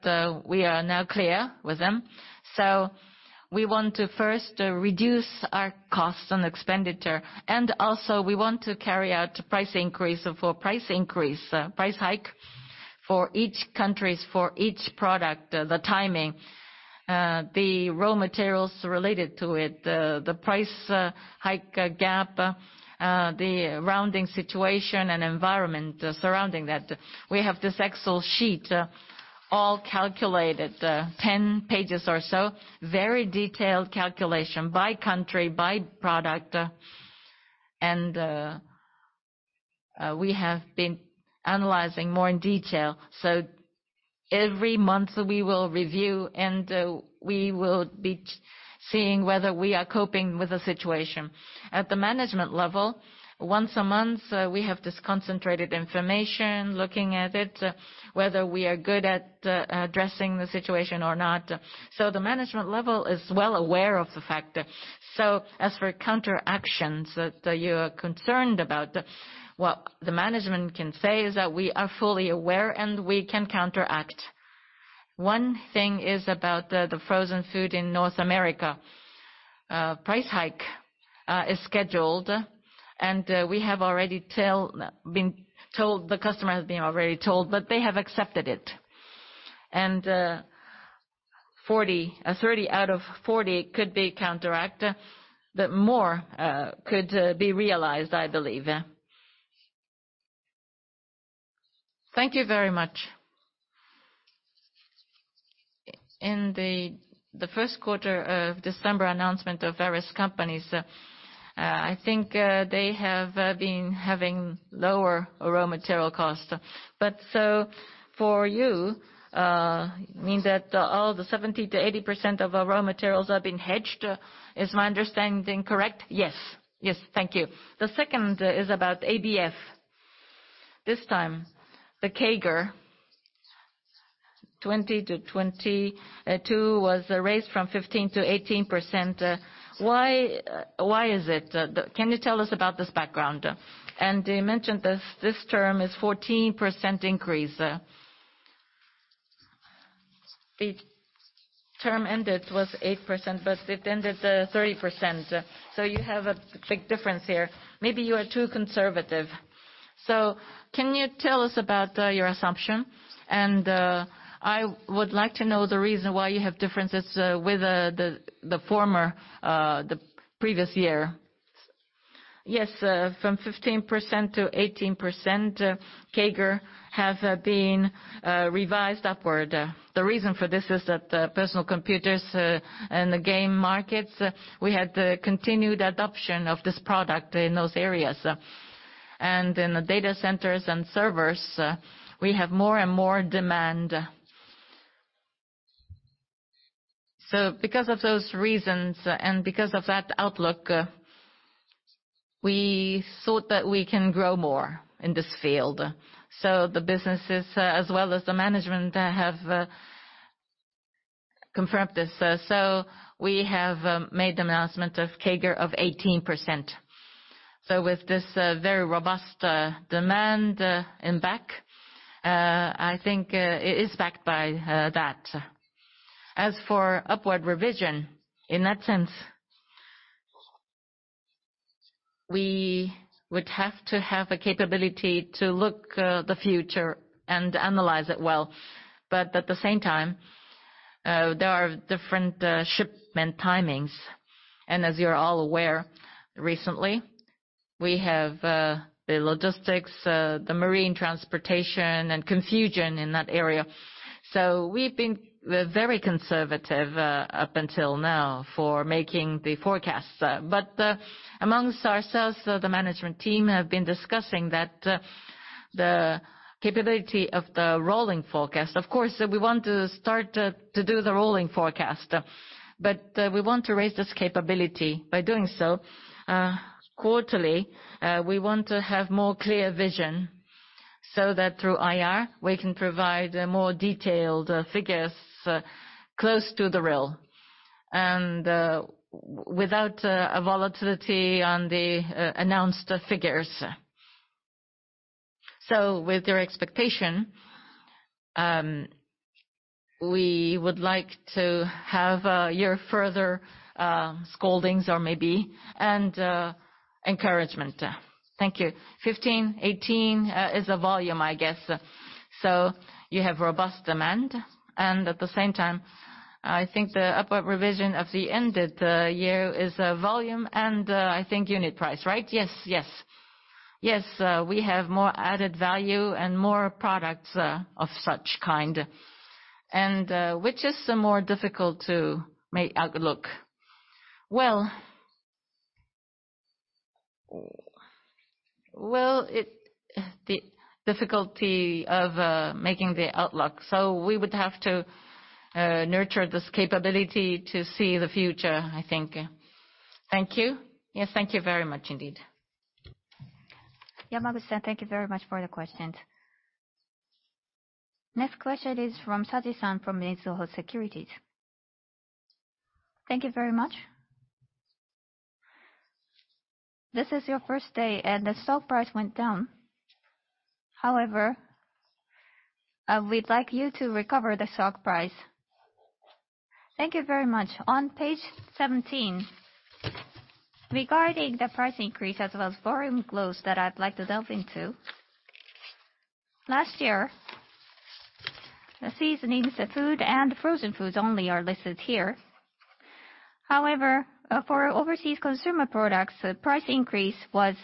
we are now clear with them. We want to first reduce our costs and expenditure, and also we want to carry out price increase. For price increase, price hike for each countries, for each product, the timing, the raw materials related to it, the price hike gap, the rounding situation and environment surrounding that. We have this Excel sheet all calculated, 10 pages or so, very detailed calculation by country, by product, and we have been analyzing more in detail. Every month, we will review, and we will be seeing whether we are coping with the situation. At the management level, once a month, we have this concentrated information, looking at it, whether we are good at addressing the situation or not. The management level is well aware of the fact. As for counteractions that you are concerned about, what the management can say is that we are fully aware, and we can counteract. One thing is about the frozen food in North America. Price hike is scheduled, and the customer has been already told, but they have accepted it. 40, 30 out of 40 could be counteracted, but more could be realized, I believe. Thank you very much. In the first quarter December announcement of various companies, I think they have been having lower raw material costs. For you, means that all the 70%-80% of raw materials have been hedged. Is my understanding correct? Yes. Yes. Thank you. The second is about ABF. This time, the CAGR 20-22 was raised from 15% to 18%. Why is it? Can you tell us about this background? You mentioned this term is 14% increase. The term ended was 8%, but it ended 30%, so you have a big difference here. Maybe you are too conservative. Can you tell us about your assumption? I would like to know the reason why you have differences with the previous year? Yes, from 15% to 18%, CAGR have been revised upward. The reason for this is that, personal computers and the game markets, we had the continued adoption of this product in those areas. In the data centers and servers, we have more and more demand. Because of those reasons and because of that outlook, we thought that we can grow more in this field. The businesses as well as the management have confirmed this. We have made the announcement of CAGR of 18%. With this, very robust demand in back, I think it is backed by that. As for upward revision, in that sense, we would have to have a capability to look the future and analyze it well. At the same time, there are different shipment timings. As you're all aware, recently, we have the logistics, the marine transportation and confusion in that area. We've been very conservative up until now for making the forecasts. Amongst ourselves, the management team have been discussing that, the capability of the rolling forecast. Of course, we want to start to do the rolling forecast, but we want to raise this capability by doing so. Quarterly, we want to have more clear vision so that through IR, we can provide more detailed figures close to the real and without a volatility on the announced figures. With your expectation, we would like to have your further scoldings or maybe and encouragement. Thank you. 15, 18 is the volume, I guess. You have robust demand, and at the same time, I think the upward revision of the ended year is volume and I think unit price, right? Yes, we have more added value and more products of such kind. Which is the more difficult to make outlook? Well, the difficulty of making the outlook, so we would have to nurture this capability to see the future, I think. Thank you. Yes, thank you very much indeed. Yamaguchi, thank you very much for the questions. Next question is from Saji-san from Mizuho Securities. Thank you very much. This is your first day and the stock price went down. We'd like you to recover the stock price. Thank you very much. On page 17, regarding the price increase as well as volume growth that I'd like to delve into. Last year, the seasonings, the food, and frozen foods only are listed here. For overseas consumer products, the price increase was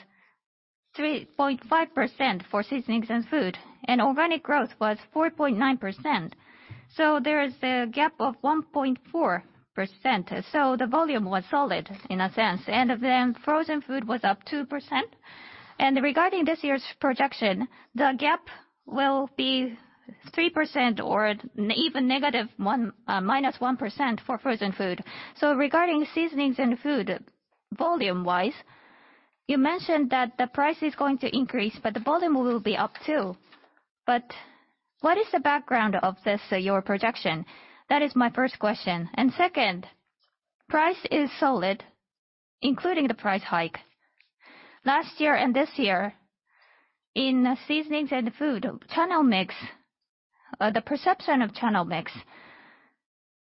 3.5% for seasonings and food, and organic growth was 4.9%. There is a gap of 1.4%. The volume was solid in a sense. Frozen food was up 2%. Regarding this year's projection, the gap will be 3% or even minus 1% for frozen food. Regarding seasonings and food volume-wise, you mentioned that the price is going to increase, but the volume will be up too. What is the background of this, your projection? That is my first question. Second, price is solid, including the price hike. Last year and this year in seasonings and food channel mix, the perception of channel mix,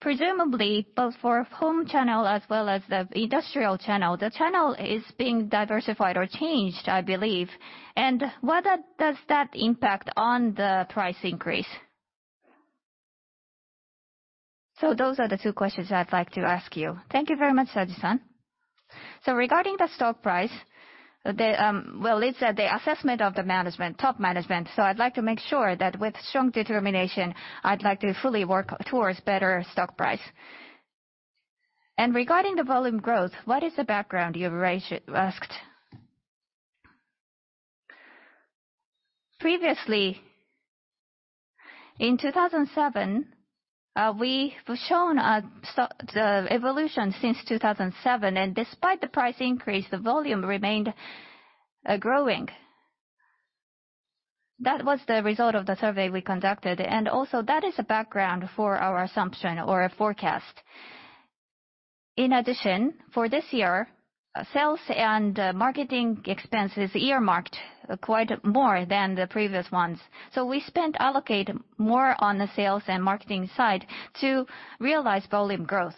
presumably both for home channel as well as the industrial channel, the channel is being diversified or changed, I believe. What does that impact on the price increase? Those are the two questions I'd like to ask you. Thank you very much, Saji-san. Regarding the stock price, well, it's the assessment of the management, top management. I'd like to make sure that with strong determination, I'd like to fully work towards better stock price. Regarding the volume growth, what is the background you've asked? Previously, in 2007, we've shown a strong evolution since 2007, and despite the price increase, the volume remained growing. That was the result of the survey we conducted, and also that is a background for our assumption or a forecast. In addition, for this year, sales and marketing expenses earmarked more than the previous ones. We allocate more on the sales and marketing side to realize volume growth.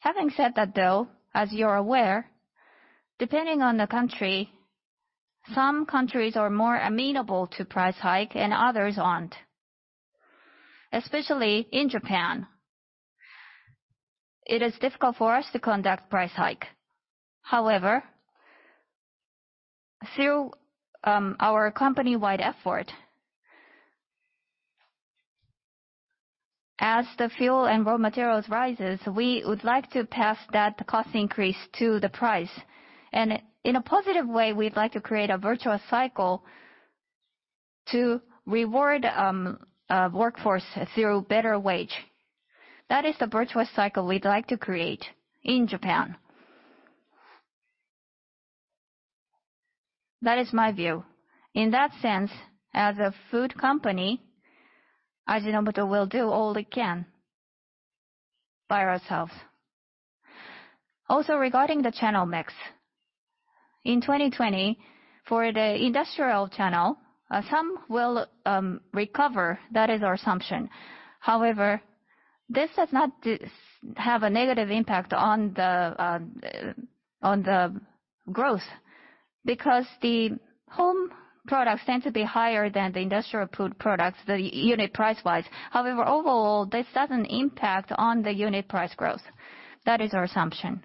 Having said that, though, as you're aware, depending on the country, some countries are more amenable to price hike and others aren't. Especially in Japan, it is difficult for us to conduct price hike. However, through our company-wide effort, as the fuel and raw materials rise, we would like to pass that cost increase to the price. In a positive way, we'd like to create a virtuous cycle to reward workforce through better wage. That is the virtuous cycle we'd like to create in Japan. That is my view. In that sense, as a food company, Ajinomoto will do all it can by ourselves. Also, regarding the channel mix, in 2020, for the industrial channel, some will recover. That is our assumption. However, this does not have a negative impact on the growth because the home products tend to be higher than the industrial products, the unit price-wise. However, overall, this doesn't impact on the unit price growth. That is our assumption.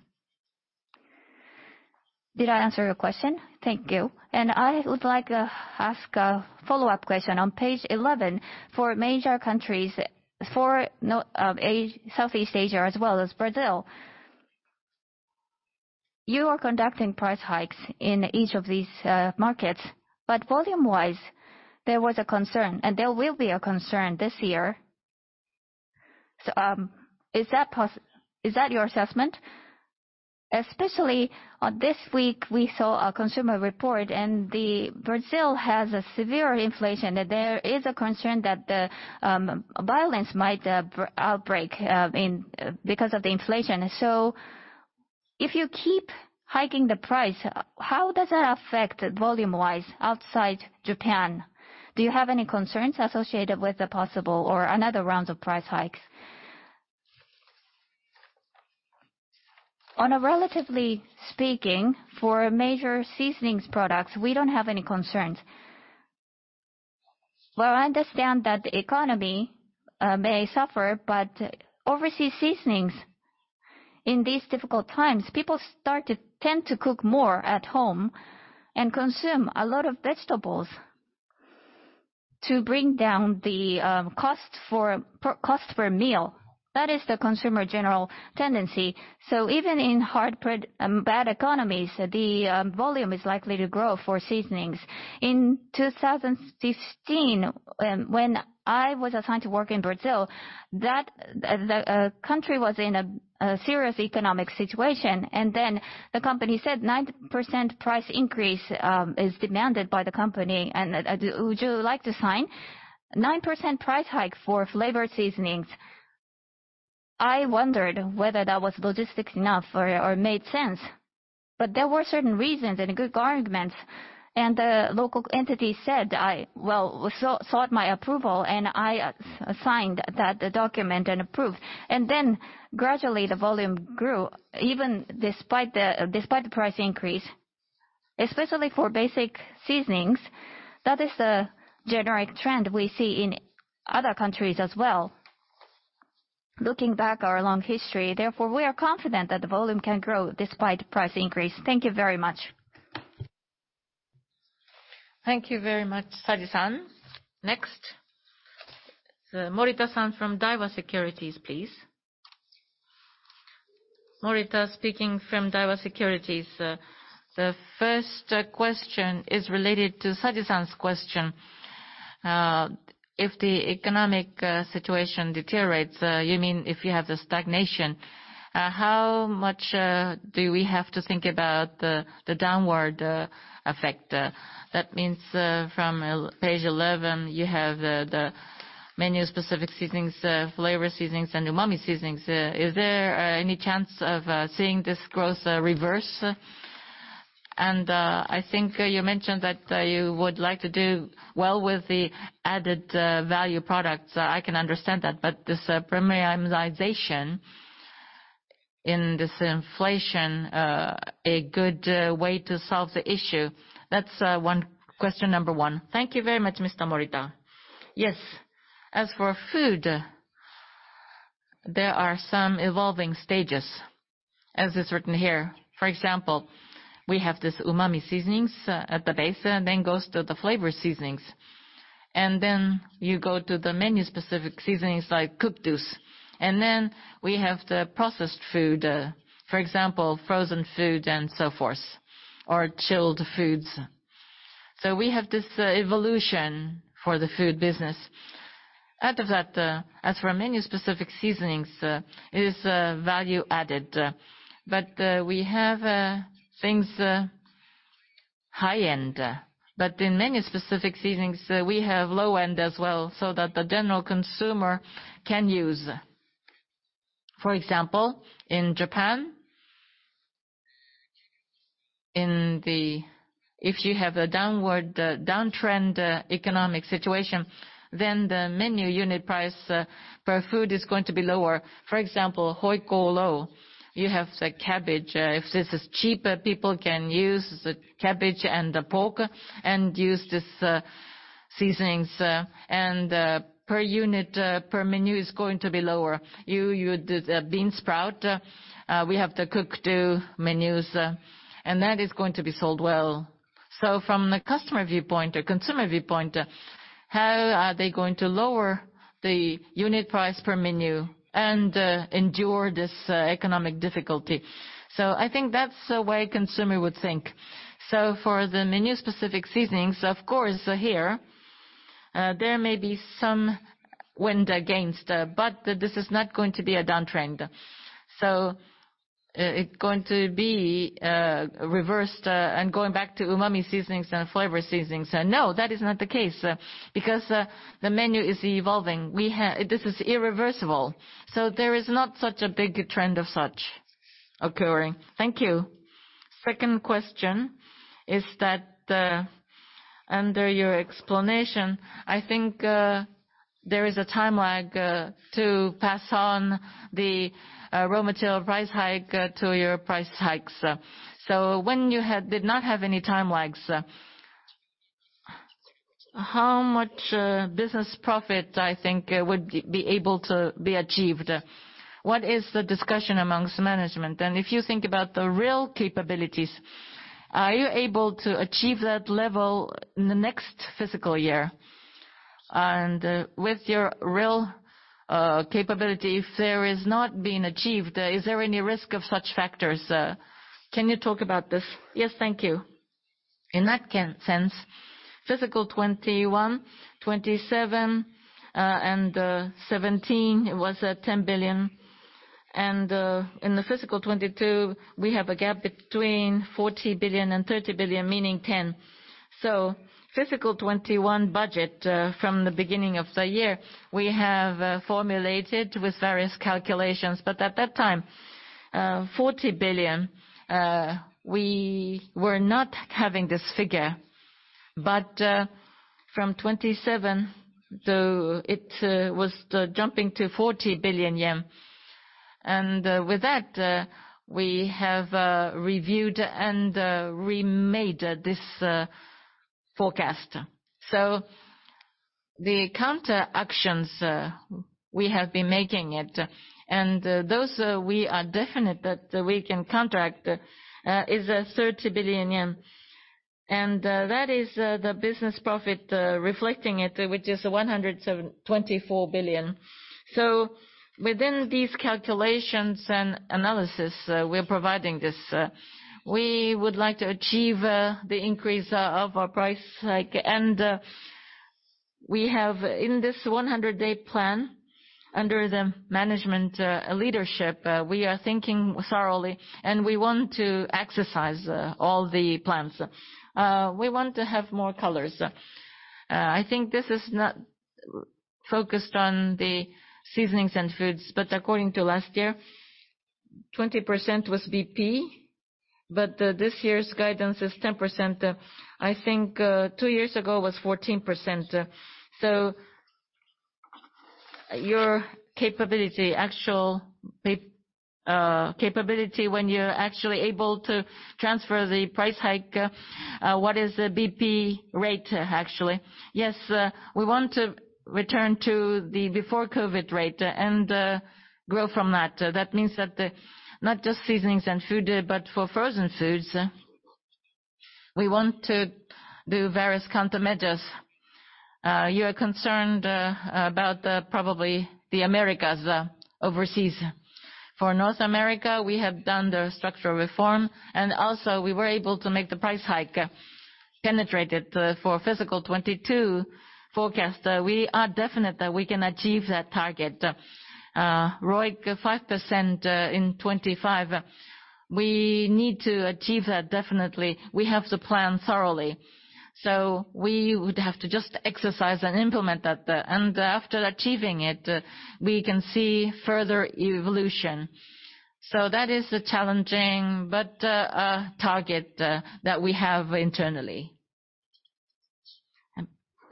Did I answer your question? Thank you. I would like to ask a follow-up question. On page eleven, for major countries for now, Southeast Asia as well as Brazil, you are conducting price hikes in each of these markets. Volume-wise, there was a concern and there will be a concern this year. Is that your assessment? Especially this week, we saw a consumer report, and Brazil has a severe inflation. There is a concern that the violence might break out in because of the inflation. If you keep hiking the price, how does that affect volume-wise outside Japan? Do you have any concerns associated with the possible or another rounds of price hikes? Relatively speaking, for major seasonings products, we don't have any concerns. While I understand that the economy may suffer, overseas seasonings in these difficult times, people start to tend to cook more at home and consume a lot of vegetables to bring down the cost per meal. That is the consumer general tendency. Even in hard, bad economies, the volume is likely to grow for seasonings. In 2015, when I was assigned to work in Brazil, the country was in a serious economic situation. The company said 9% price increase is demanded by the company, and would you like to sign 9% price hike for flavored seasonings. I wondered whether that was logical enough or made sense. There were certain reasons and good arguments, and the local entity said, I. Well, so sought my approval, and I signed that document and approved. Gradually the volume grew even despite the price increase, especially for basic seasonings. That is the generic trend we see in other countries as well, looking back our long history. Therefore, we are confident that the volume can grow despite price increase. Thank you very much. Thank you very much, Saji-san. Next, Morita-san from Daiwa Securities, please. Morita speaking from Daiwa Securities. The first question is related to Saji-san's question. If the economic situation deteriorates, you mean if you have the stagnation, how much do we have to think about the downward effect? That means, from page 11, you have the menu-specific seasonings, flavor seasonings and umami seasonings. Is there any chance of seeing this growth reverse? I think you mentioned that you would like to do well with the added value products. I can understand that. This premiumization in this inflation a good way to solve the issue. That's question number one. Thank you very much, Mr. Morita. Yes. As for food, there are some evolving stages, as is written here. For example, we have this umami seasonings at the base, then goes to the flavor seasonings, and then you go to the menu-specific seasonings like Cook Do. We have the processed food, for example, frozen food and so forth, or chilled foods. We have this evolution for the food business. Out of that, as for menu-specific seasonings, it is value-added. We have things high-end. In menu-specific seasonings, we have low-end as well, so that the general consumer can use. For example, in Japan, if you have a downtrend economic situation, then the menu unit price per food is going to be lower. For example, Hoikoro, you have the cabbage. If this is cheaper, people can use the cabbage and the pork, and use this, seasonings. Per unit, per menu is going to be lower. You did the bean sprout. We have the cooked menus, and that is going to be sold well. From the customer viewpoint or consumer viewpoint, how are they going to lower the unit price per menu and endure this economic difficulty? I think that's the way consumer would think. For the menu specific seasonings, of course, here, there may be some headwind. But this is not going to be a downtrend. It's going to be reversed, and going back to umami seasonings and flavor seasonings. No, that is not the case, because the menu is evolving. This is irreversible, so there is not such a big trend of such occurring. Thank you. Second question is that, under your explanation, I think, there is a time lag, to pass on the, raw material price hike, to your price hikes. When you did not have any time lags, how much, business profit I think would be able to be achieved? What is the discussion amongst management? If you think about the real capabilities, are you able to achieve that level in the next fiscal year? With your real, capability, if there is not been achieved, is there any risk of such factors? Can you talk about this? Yes. Thank you. In that sense, fiscal 2021, 27, and, 17 was at 10 billion. In fiscal 2022, we have a gap between 40 billion and 30 billion, meaning 10 billion. Fiscal 2021 budget from the beginning of the year, we have formulated with various calculations. At that time, 40 billion, we were not having this figure. From 27 though it was jumping to 40 billion yen. With that, we have reviewed and remade this forecast. The counter actions we have been making it, and those we are definite that we can contain is 30 billion yen. That is the business profit reflecting it, which is 124 billion. Within these calculations and analysis, we're providing this. We would like to achieve the increase of our price hike. We have in this 100-day plan, under the management leadership, we are thinking thoroughly and we want to exercise all the plans. We want to have more colors. I think this is not focused on the seasonings and foods, but according to last year, 20% was BP, but this year's guidance is 10%. I think two years ago was 14%. So your capability when you're actually able to transfer the price hike, what is the BP rate actually? Yes, we want to return to the before COVID rate and grow from that. That means that not just seasonings and food, but for frozen foods, we want to do various countermeasures. You are concerned about probably the Americas, overseas. For North America, we have done the structural reform, and also we were able to make the price hike penetrated for fiscal 2022 forecast. We are definite that we can achieve that target. ROIC 5% in 2025, we need to achieve that definitely. We have the plan thoroughly. We would have to just exercise and implement that. After achieving it, we can see further evolution. That is the challenging, but target that we have internally.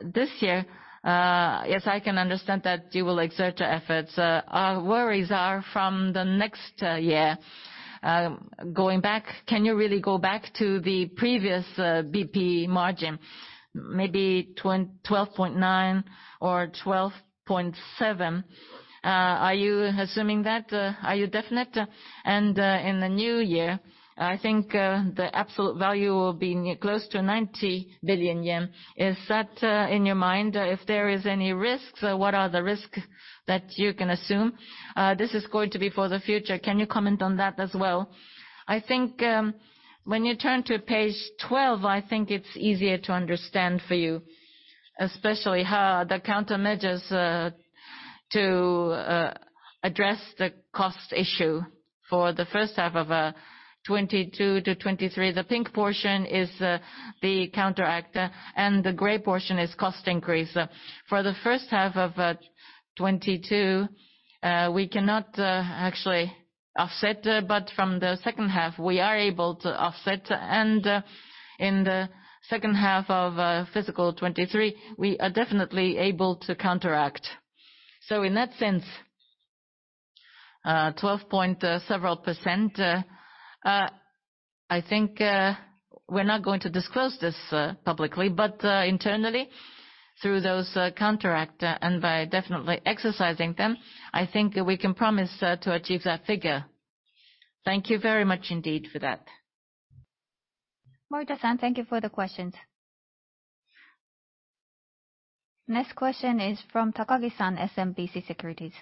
This year, yes, I can understand that you will exert efforts. \Our worries are from the next year. Going back, can you really go back to the previous BP margin, maybe 12.9% or 12.7%? Are you assuming that? Are you definite? In the new year, I think the absolute value will be close to 90 billion yen. Is that in your mind? If there is any risks, what are the risks? That you can assume, this is going to be for the future. Can you comment on that as well? I think, when you turn to page 12, I think it's easier to understand for you, especially how the countermeasures, to, address the cost issue for the first half of 2022 to 2023. The pink portion is the countermeasure, and the gray portion is cost increase. For the first half of 2022, we cannot actually offset, but from the second half, we are able to offset. In the second half of fiscal 2023, we are definitely able to counteract. In that sense, 12 point several %, I think we're not going to disclose this publicly, but internally through those countermeasures and by definitely exercising them, I think we can promise to achieve that figure. Thank you very much indeed for that. Morita-san, thank you for the questions. Next question is from Takagi-san, SMBC Nikko Securities.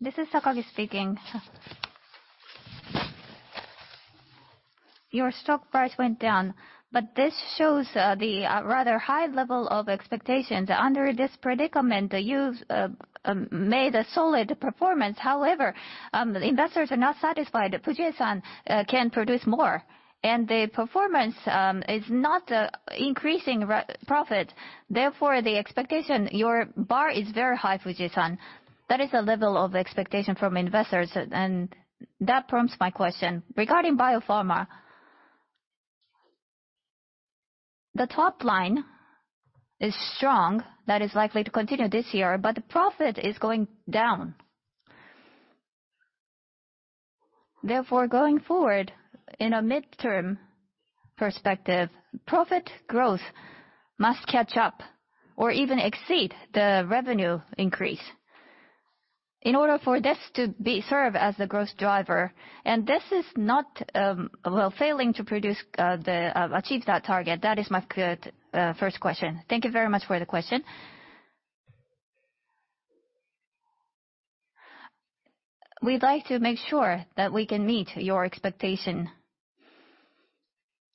This is Takagi speaking. Your stock price went down, but this shows the rather high level of expectations. Under this predicament, you've made a solid performance. However, investors are not satisfied. Fujie-san can produce more. The performance is not increasing our profit. Therefore, the expectation. Your bar is very high, Fujie-san. That is the level of expectation from investors. That prompts my question. Regarding Bio-Pharma, the top line is strong. That is likely to continue this year, but the profit is going down. Therefore, going forward in a midterm perspective, profit growth must catch up or even exceed the revenue increase in order for this to serve as the growth driver. This is not failing to achieve that target. That is my clear first question. Thank you very much for the question. We'd like to make sure that we can meet your expectation.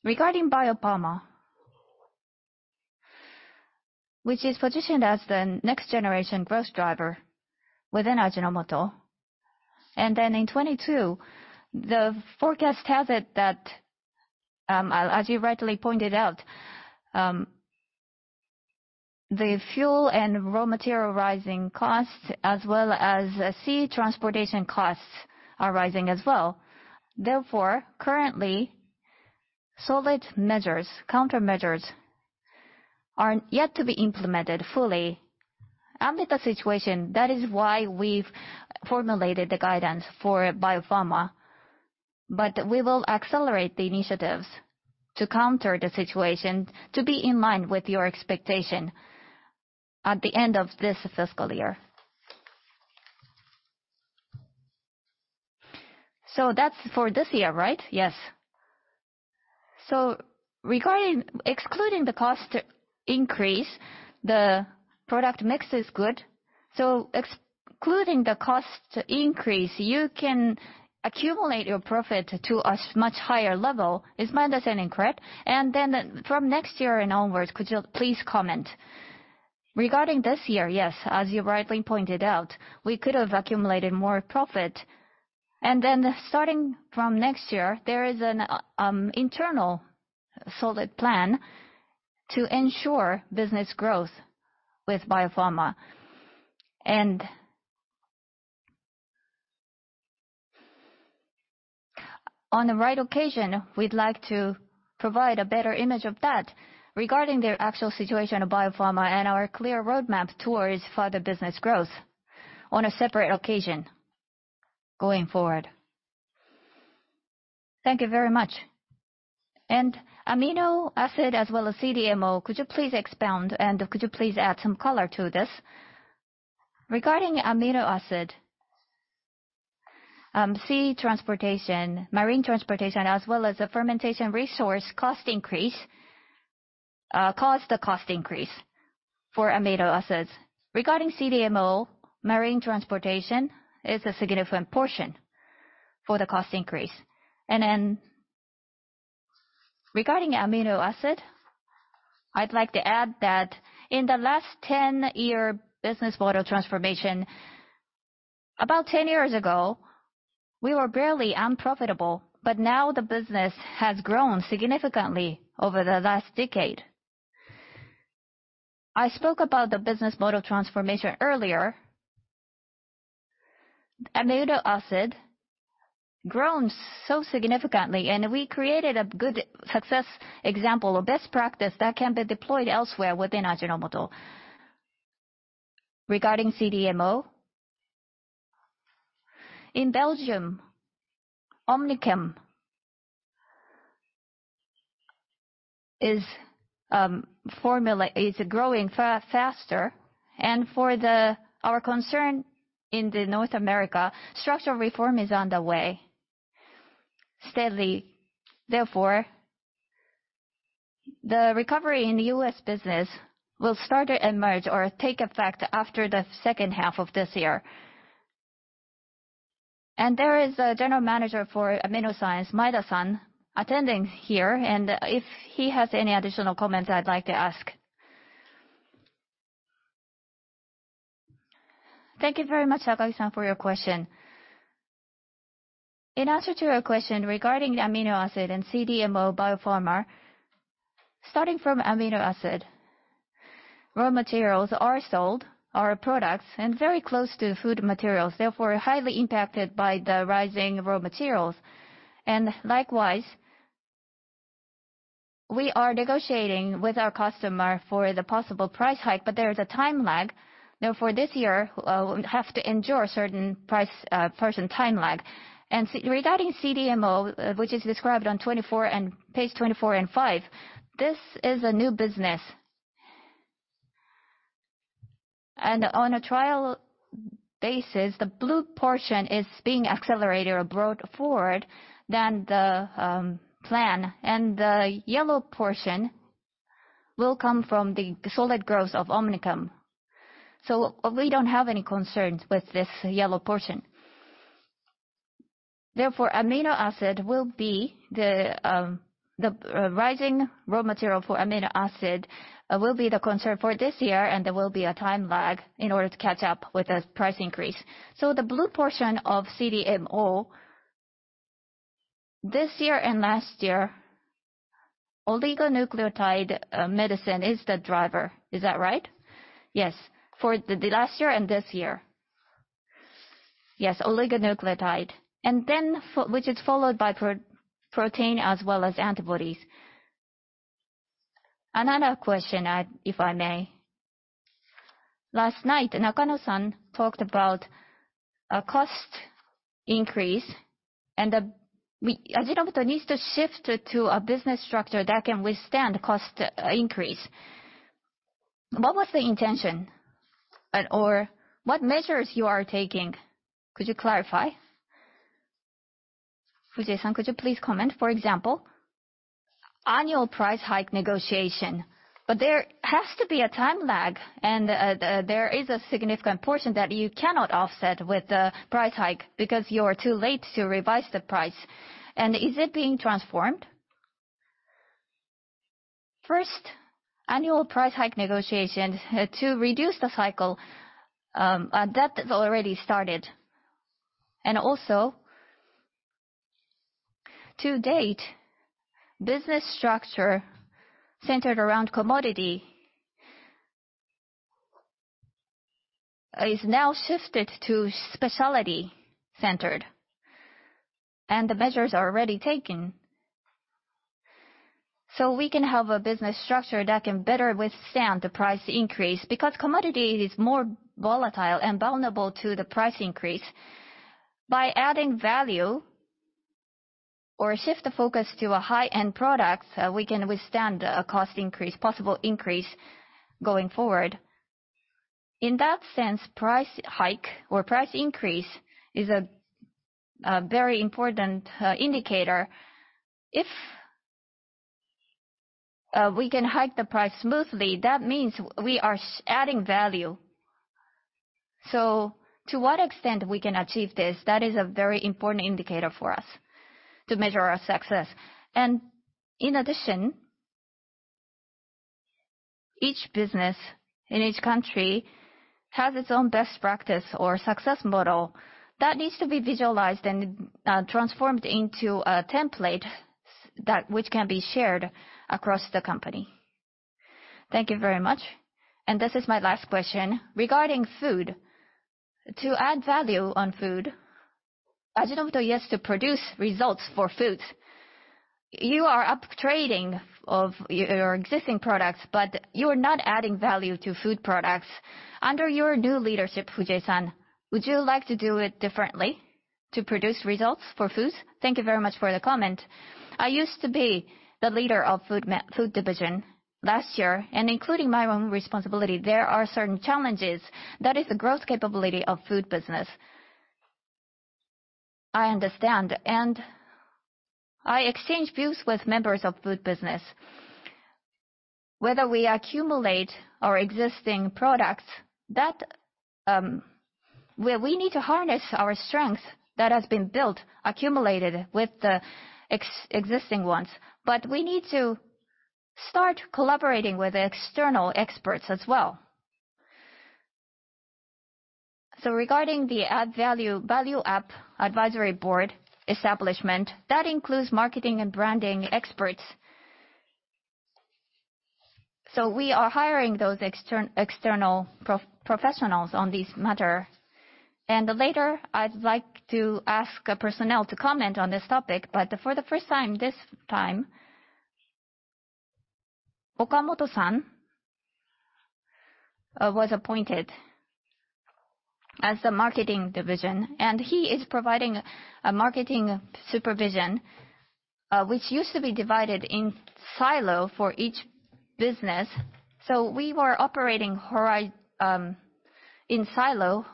Regarding Biopharma, which is positioned as the next generation growth driver within Ajinomoto. In 2022, the forecast has it that, as you rightly pointed out, the fuel and raw material rising costs as well as sea transportation costs are rising as well. Therefore, currently, solid measures, countermeasures are yet to be implemented fully amid the situation. That is why we've formulated the guidance for Biopharma. We will accelerate the initiatives to counter the situation to be in line with your expectation at the end of this fiscal year. That's for this year, right? Yes. Regarding excluding the cost increase, the product mix is good. Excluding the cost increase, you can accumulate your profit to a much higher level. Is my understanding correct? From next year and onwards, could you please comment? Regarding this year, yes. As you rightly pointed out, we could have accumulated more profit. Starting from next year, there is an internal solid plan to ensure business growth with Biopharma. On the right occasion, we'd like to provide a better image of that regarding the actual situation of Biopharma and our clear roadmap towards further business growth on a separate occasion going forward. Thank you very much. Amino acid as well as CDMO, could you please expound and could you please add some color to this? Regarding amino acid, sea transportation, marine transportation as well as the fermentation resource cost increase caused the cost increase for amino acids. Regarding CDMO, marine transportation is a significant portion for the cost increase. Regarding amino acid, I'd like to add that in the last 10-year business model transformation, about 10 years ago, we were barely unprofitable, but now the business has grown significantly over the last decade. I spoke about the business model transformation earlier. Amino acid grown so significantly, and we created a good success example of best practice that can be deployed elsewhere within Ajinomoto. Regarding CDMO, in Belgium, OmniChem is growing faster. For our concern in North America, structural reform is on the way steadily. The recovery in the US business will start to emerge or take effect after the second half of this year. There is a general manager for Amino Science, Maeda-san, attending here, and if he has any additional comments, I'd like to ask. Thank you very much, Akagi-san, for your question. In answer to your question regarding the amino acid and CDMO biopharma, starting from amino acid, raw materials are soaring, our products are very close to food materials, therefore, highly impacted by the rising raw materials. Likewise, we are negotiating with our customer for the possible price hike, but there is a time lag. Now for this year, we have to endure certain price and time lag. Regarding CDMO, which is described on page 24 and 25, this is a new business. On a trial basis, the blue portion is being accelerated or brought forward than the plan. The yellow portion will come from the solid growth of OmniChem. We don't have any concerns with this yellow portion. Therefore, amino acid will be the rising raw material for amino acid will be the concern for this year, and there will be a time lag in order to catch up with the price increase. The blue portion of CDMO this year and last year, oligonucleotide medicine is the driver. Is that right? Yes. For the last year and this year. Yes, oligonucleotide. Which is followed by protein as well as antibodies. Another question, if I may. Last night, Nakano-san talked about a cost increase and Ajinomoto needs to shift to a business structure that can withstand cost increase. What was the intention? Or what measures you are taking? Could you clarify? Fujie-san, could you please comment? For example, annual price hike negotiation. But there has to be a time lag, and there is a significant portion that you cannot offset with the price hike because you're too late to revise the price. Is it being transformed? First, annual price hike negotiation to reduce the cycle that has already started. Also, to date, business structure centered around commodity is now shifted to specialty centered, and the measures are already taken. So we can have a business structure that can better withstand the price increase because commodity is more volatile and vulnerable to the price increase. By adding value or shift the focus to a high-end product, we can withstand a cost increase, possible increase going forward. In that sense, price hike or price increase is a very important indicator. If we can hike the price smoothly, that means we are adding value. To what extent we can achieve this, that is a very important indicator for us to measure our success. In addition, each business in each country has its own best practice or success model that needs to be visualized and transformed into a template that which can be shared across the company. Thank you very much. This is my last question. Regarding food, to add value on food, Ajinomoto used to produce results for foods. You are up-trading of your existing products, but you are not adding value to food products. Under your new leadership, Fujie-san, would you like to do it differently to produce results for foods? Thank you very much for the comment. I used to be the leader of food division last year, and including my own responsibility, there are certain challenges. That is the growth capability of food business. I understand. I exchange views with members of food business. Whether we accumulate our existing products, that, where we need to harness our strength that has been built, accumulated with the existing ones. We need to start collaborating with external experts as well. Regarding the Value Creation Advisory Board establishment, that includes marketing and branding experts. We are hiring those external professionals on this matter. Later, I'd like to ask personnel to comment on this topic. For the first time, this time, Okamoto-san was appointed as the marketing division, and he is providing a marketing supervision, which used to be divided in silo for each business. We were operating in silo.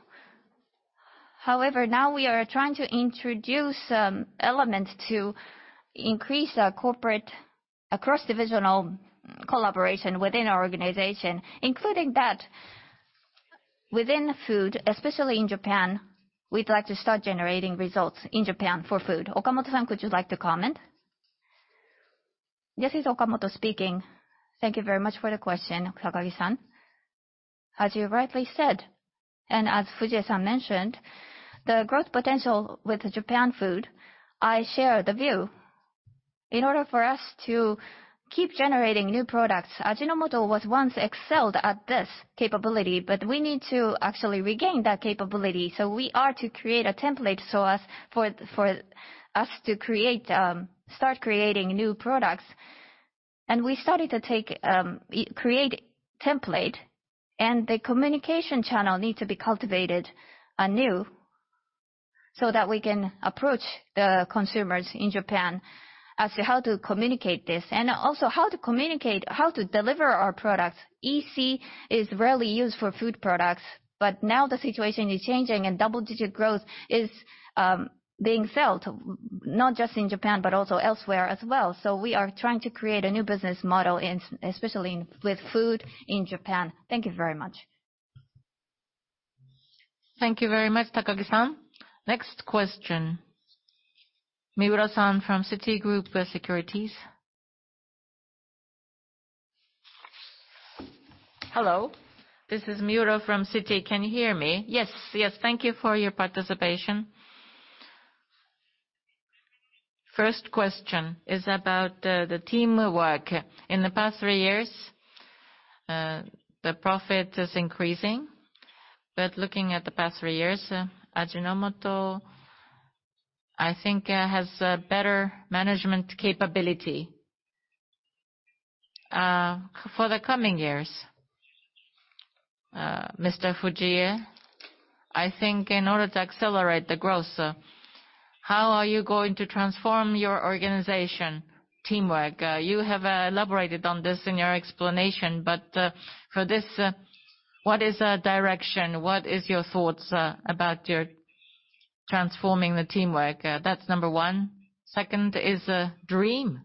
However, now we are trying to introduce elements to increase our cross-divisional collaboration within our organization, including that within food, especially in Japan, we'd like to start generating results in Japan for food. Okamoto-san, would you like to comment? This is Okamoto speaking. Thank you very much for the question, Takagi-san. As you rightly said, and as Fujie-san mentioned, the growth potential in Japanese food, I share the view. In order for us to keep generating new products, Ajinomoto was once excelled at this capability, but we need to actually regain that capability. We are to create a template so as for us to start creating new products. We started to create template, and the communication channel needs to be cultivated anew so that we can approach the consumers in Japan as to how to communicate this and also how to deliver our products. EC is rarely used for food products, but now the situation is changing and double-digit growth is being felt, not just in Japan, but also elsewhere as well. We are trying to create a new business model in, especially in, with food in Japan. Thank you very much. Thank you very much, Takagi-san. Next question. Miura-san from Citi. Hello, this is Miura from Citi. Can you hear me? Yes. Yes. Thank you for your participation. First question is about the teamwork. In the past three years, the profit is increasing, but looking at the past three years, Ajinomoto, I think, has a better management capability for the coming years. Mr. Fujie, I think in order to accelerate the growth, how are you going to transform your organization teamwork? You have elaborated on this in your explanation, but for this, what is a direction? What is your thoughts about your transforming the teamwork? That's number one. Second is dream.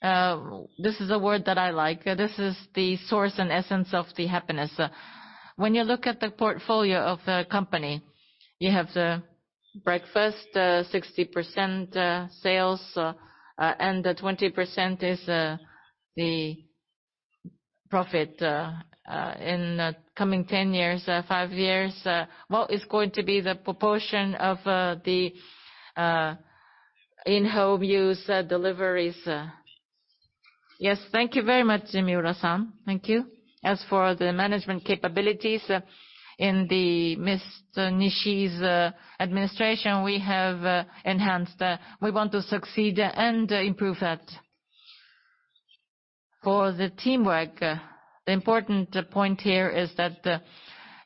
This is a word that I like. This is the source and essence of the happiness. When you look at the portfolio of the company, you have the breakfast 60% sales, and the 20% is the profit. In the coming 10 years, 5 years, what is going to be the proportion of the in-home use deliveries? Yes. Thank you very much, Miura-san. Thank you. As for the management capabilities in the Mr. Nishii's administration, we have enhanced. We want to succeed and improve that. For the teamwork, the important point here is that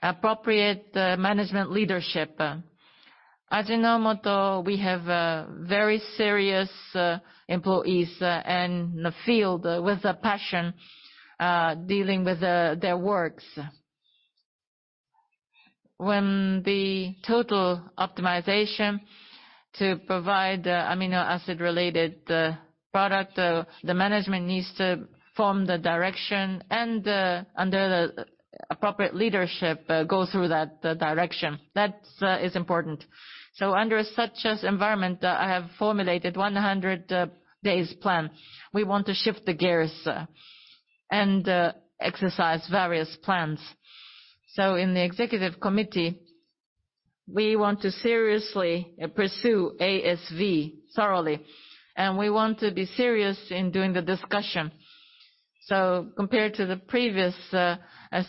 appropriate management leadership. Ajinomoto, we have very serious employees in the field with a passion dealing with their works. When the total optimization to provide amino acid-related product, the management needs to form the direction and, under the appropriate leadership, go through that direction. That is important. Under such an environment, I have formulated 100-day plan. We want to shift the gears and exercise various plans. In the executive committee, we want to seriously pursue ASV thoroughly, and we want to be serious in doing the discussion. Compared to the previous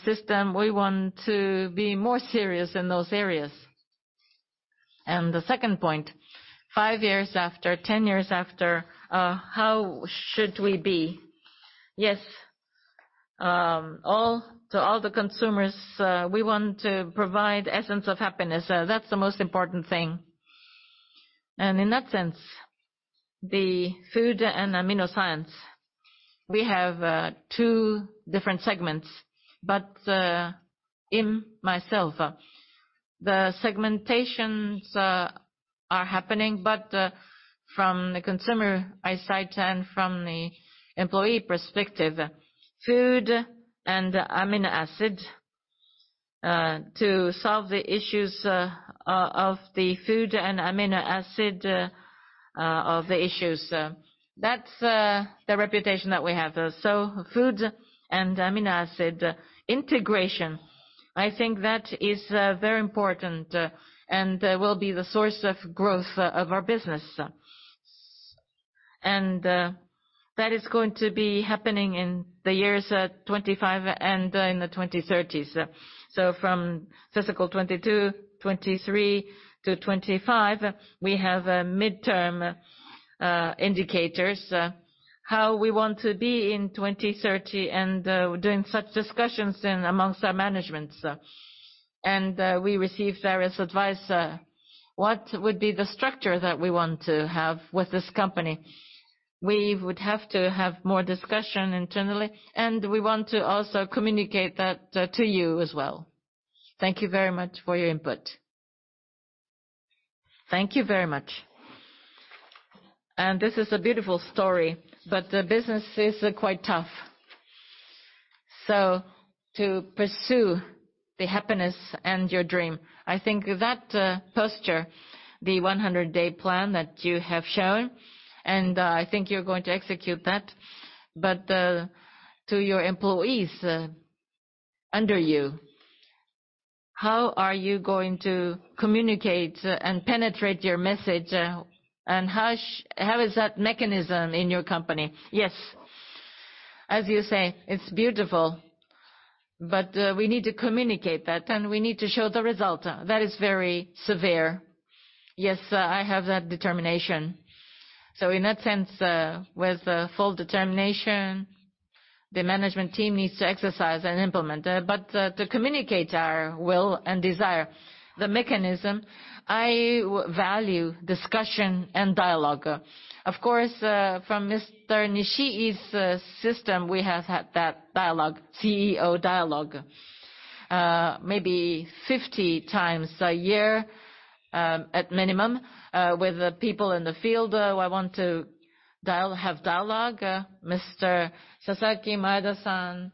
system, we want to be more serious in those areas. The second point, five years after, ten years after, how should we be? To all the consumers, we want to provide essence of happiness. That's the most important thing. In that sense, the Food and AminoScience, we have two different segments. In myself, the segmentations are happening, but from the consumer eyesight and from the employee perspective, food and amino acid to solve the issues of the food and amino acid of the issues, that's the reputation that we have. Food and amino acid integration, I think that is very important and will be the source of growth of our business. That is going to be happening in the years 25 and in the 2030s. From fiscal 2022, 2023 to 2025, we have mid-term indicators how we want to be in 2030, and doing such discussions amongst our management. We receive various advice. What would be the structure that we want to have with this company? We would have to have more discussion internally, and we want to also communicate that, to you as well. Thank you very much for your input. Thank you very much. This is a beautiful story, but the business is, quite tough. To pursue the happiness and your dream, I think that, posture, the 100-day plan that you have shown, and, I think you're going to execute that. To your employees, under you, how are you going to communicate and penetrate your message, and how is that mechanism in your company? Yes. As you say, it's beautiful, but, we need to communicate that, and we need to show the result. That is very severe. Yes, I have that determination. In that sense, with, full determination, the management team needs to exercise and implement. To communicate our will and desire, the mechanism, I value discussion and dialogue. Of course, from Mr. Nishii's system, we have had that dialogue, CEO dialogue, maybe 50 times a year, at minimum, with the people in the field, who I want to have dialogue. Mr. Sasaki, Maeda-san,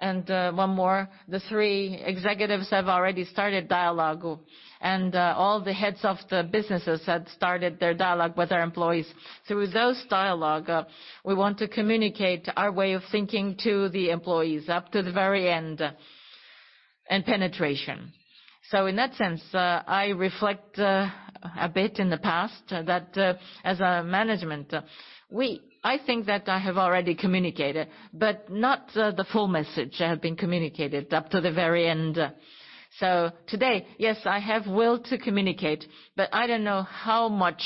and one more. The three executives have already started dialogue, and all the heads of the businesses have started their dialogue with their employees. Through those dialogue, we want to communicate our way of thinking to the employees up to the very end, and penetration. In that sense, I reflect a bit in the past that, as a management, I think that I have already communicated, but not the full message have been communicated up to the very end. Today, yes, I have will to communicate, but I don't know how much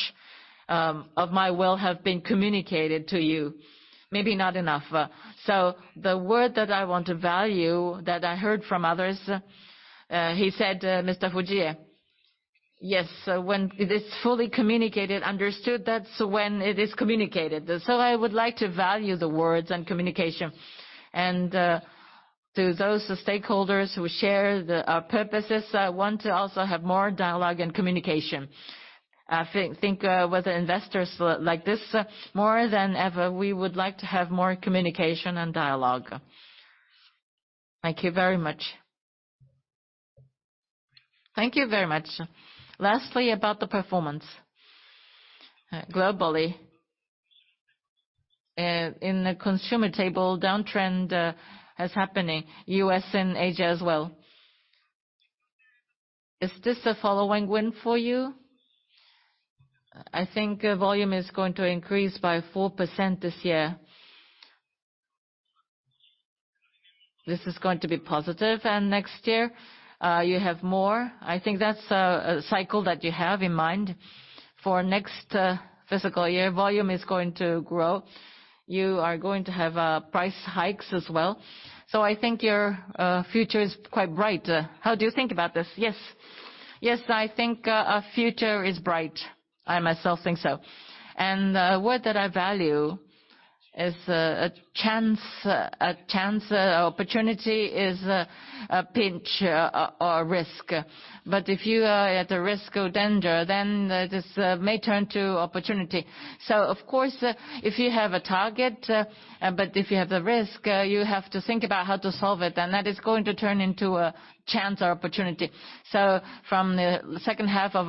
of my will have been communicated to you. Maybe not enough. The word that I want to value that I heard from others, he said, Mr. Fujie, yes, so when it is fully communicated, understood, that's when it is communicated. I would like to value the words and communication. To those stakeholders who share the purposes, I want to also have more dialogue and communication. I think, with the investors like this, more than ever, we would like to have more communication and dialogue. Thank you very much. Thank you very much. Lastly, about the performance. Globally, in the consumer staples downtrend, is happening, U.S. and Asia as well. Is this a following wind for you? I think volume is going to increase by 4% this year. This is going to be positive. Next year, you have more. I think that's a cycle that you have in mind. For next fiscal year, volume is going to grow. You are going to have price hikes as well. So I think your future is quite bright. How do you think about this? Yes. Yes, I think our future is bright. I myself think so. Word that I value is a chance. A chance, opportunity is a pinch or risk. But if you are at a risk or danger, then this may turn to opportunity. Of course, if you have a target, but if you have the risk, you have to think about how to solve it, and that is going to turn into a chance or opportunity. From the second half of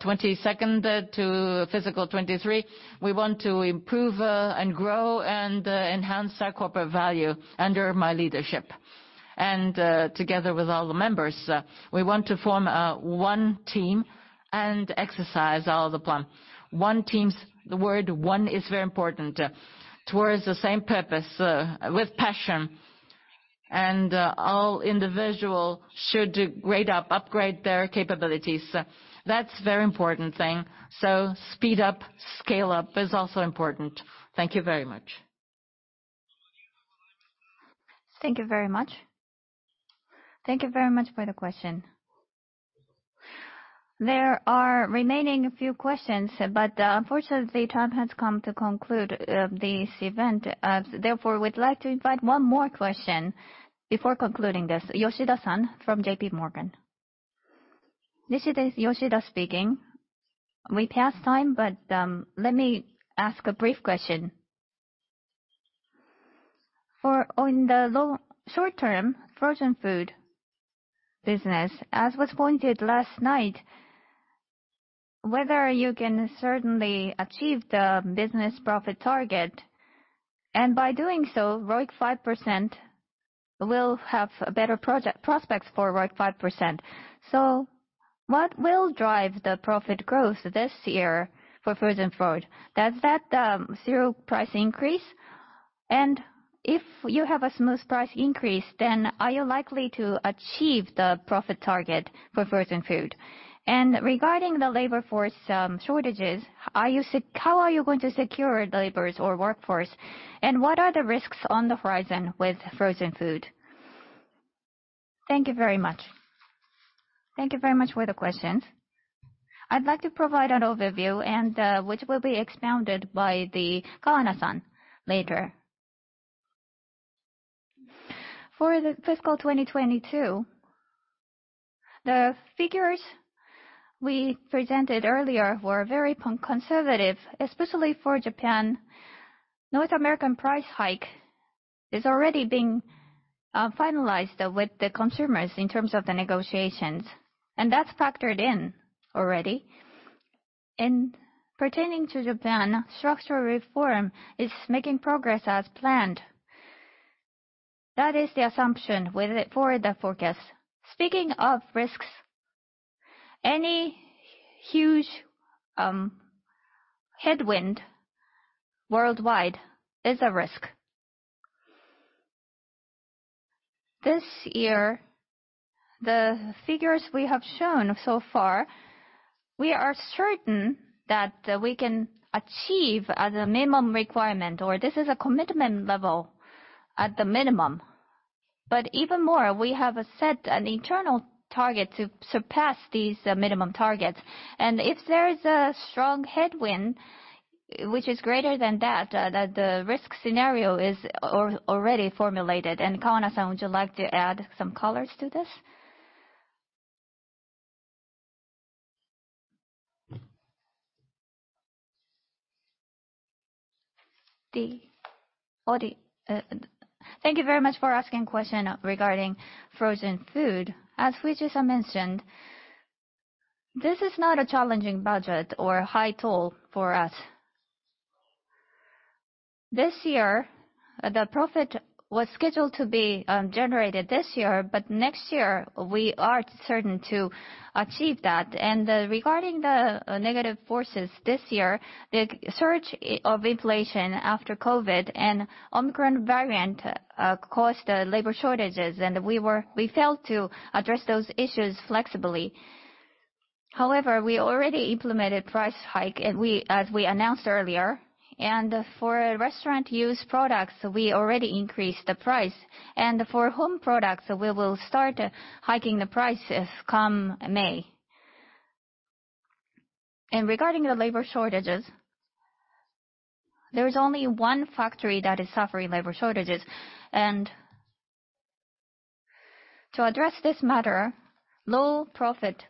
2022 to fiscal 2023, we want to improve and grow and enhance our corporate value under my leadership. Together with all the members, we want to form one team and exercise all the plan. One team, the word one is very important. Towards the same purpose with passion. All individual should upgrade their capabilities. That's very important thing. Speed up, scale up is also important. Thank you very much. Thank you very much. Thank you very much for the question. There are remaining a few questions, but, unfortunately, time has come to conclude this event. Therefore, we'd like to invite one more question before concluding this. Yoshida-san from JP Morgan. This is Yoshida speaking. We passed time, but, let me ask a brief question. For the short term frozen food business, as was pointed last night, whether you can certainly achieve the business profit target, and by doing so, ROIC 5% will have better project prospects for ROIC 5%. What will drive the profit growth this year for frozen food? Does that zero price increase? If you have a smooth price increase, then are you likely to achieve the profit target for frozen food? Regarding the labor force shortages, how are you going to secure labors or workforce? What are the risks on the horizon with frozen food? Thank you very much. Thank you very much for the questions. I'd like to provide an overview and which will be expounded by Kawana-san later. For the fiscal 2022, the figures we presented earlier were very conservative, especially for Japan. North American price hike is already being finalized with the consumers in terms of the negotiations, and that's factored in already. Pertaining to Japan, structural reform is making progress as planned. That is the assumption with it for the forecast. Speaking of risks, any huge headwind worldwide is a risk. This year, the figures we have shown so far, we are certain that we can achieve at a minimum requirement, or this is a commitment level at the minimum. Even more, we have set an internal target to surpass these minimum targets. If there is a strong headwind which is greater than that, the risk scenario is already formulated. Kawana-san, would you like to add some colors to this? Thank you very much for asking question regarding frozen food. As Fujie-san mentioned, this is not a challenging budget or high toll for us. This year, the profit was scheduled to be generated this year, but next year we are certain to achieve that. Regarding the negative forces this year, the surge of inflation after COVID and Omicron variant caused labor shortages and we failed to address those issues flexibly. However, we already implemented price hike and, as we announced earlier, for restaurant use products, we already increased the price. For home products, we will start hiking the prices come May. Regarding the labor shortages, there is only one factory that is suffering labor shortages. To address this matter, low profit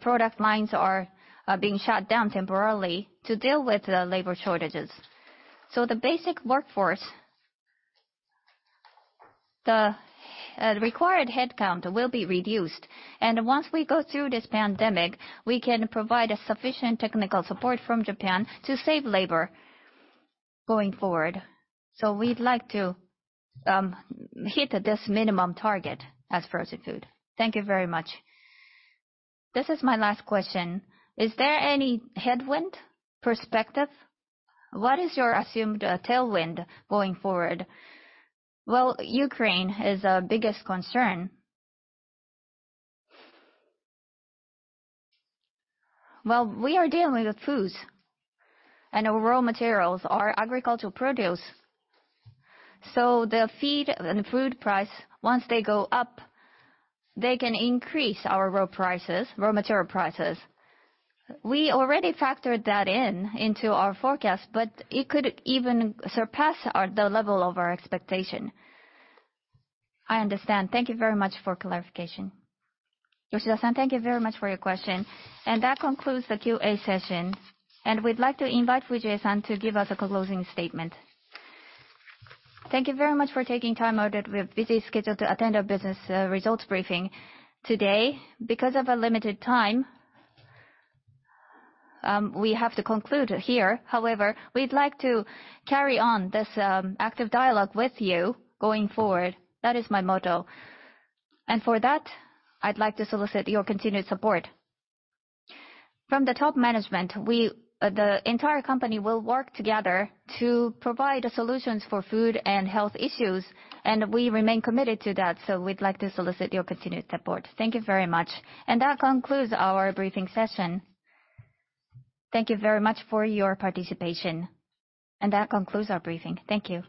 product lines are being shut down temporarily to deal with the labor shortages. So the basic workforce, the required headcount will be reduced. Once we go through this pandemic, we can provide sufficient technical support from Japan to save labor going forward. So we'd like to hit this minimum target as frozen food. Thank you very much. This is my last question. Is there any headwind perspective? What is your assumed tailwind going forward? Well, Ukraine is our biggest concern. Well, we are dealing with foods and our raw materials, our agricultural produce. So the feed and food price, once they go up, they can increase our raw prices, raw material prices. We already factored that in into our forecast, but it could even surpass our, the level of our expectation. I understand. Thank you very much for clarification. Yoshida-san, thank you very much for your question. That concludes the QA session. We'd like to invite Fujie-san to give us a closing statement. Thank you very much for taking time out of your busy schedule to attend our business results briefing today. Because of our limited time, we have to conclude here. However, we'd like to carry on this, active dialogue with you going forward. That is my motto. For that, I'd like to solicit your continued support. From the top management, we, the entire company will work together to provide solutions for food and health issues, and we remain committed to that, so we'd like to solicit your continued support. Thank you very much. That concludes our briefing session. Thank you very much for your participation. That concludes our briefing. Thank you.